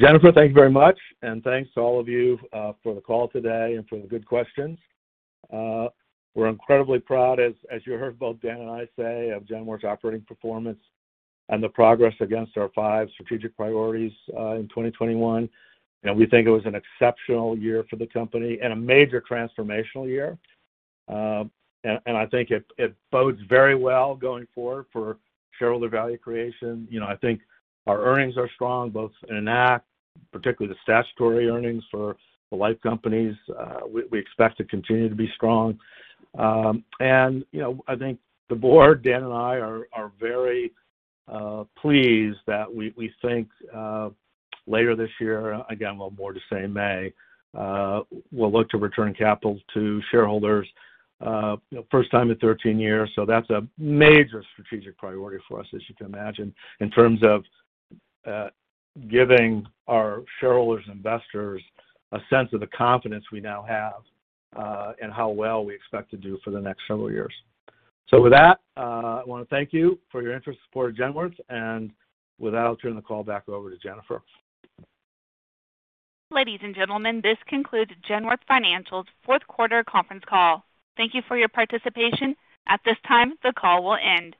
Jennifer, thank you very much. Thanks to all of you for the call today and for the good questions. We're incredibly proud, as you heard both Dan and I say, of Genworth's operating performance and the progress against our five strategic priorities in 2021. You know, we think it was an exceptional year for the company and a major transformational year. I think it bodes very well going forward for shareholder value creation. You know, I think our earnings are strong, both in and out, particularly the statutory earnings for the life companies. We expect to continue to be strong. You know, I think the board, Dan and I are very pleased that we think later this year, again, we'll have more to say in May, we'll look to return capital to shareholders, you know, first time in 13 years. That's a major strategic priority for us, as you can imagine, in terms of giving our shareholders, investors a sense of the confidence we now have, and how well we expect to do for the next several years. With that, I want to thank you for your interest and support of Genworth. With that, I'll turn the call back over to Jennifer. Ladies and gentlemen, this concludes Genworth Financial's fourth quarter conference call. Thank you for your participation, at this time, the call will end.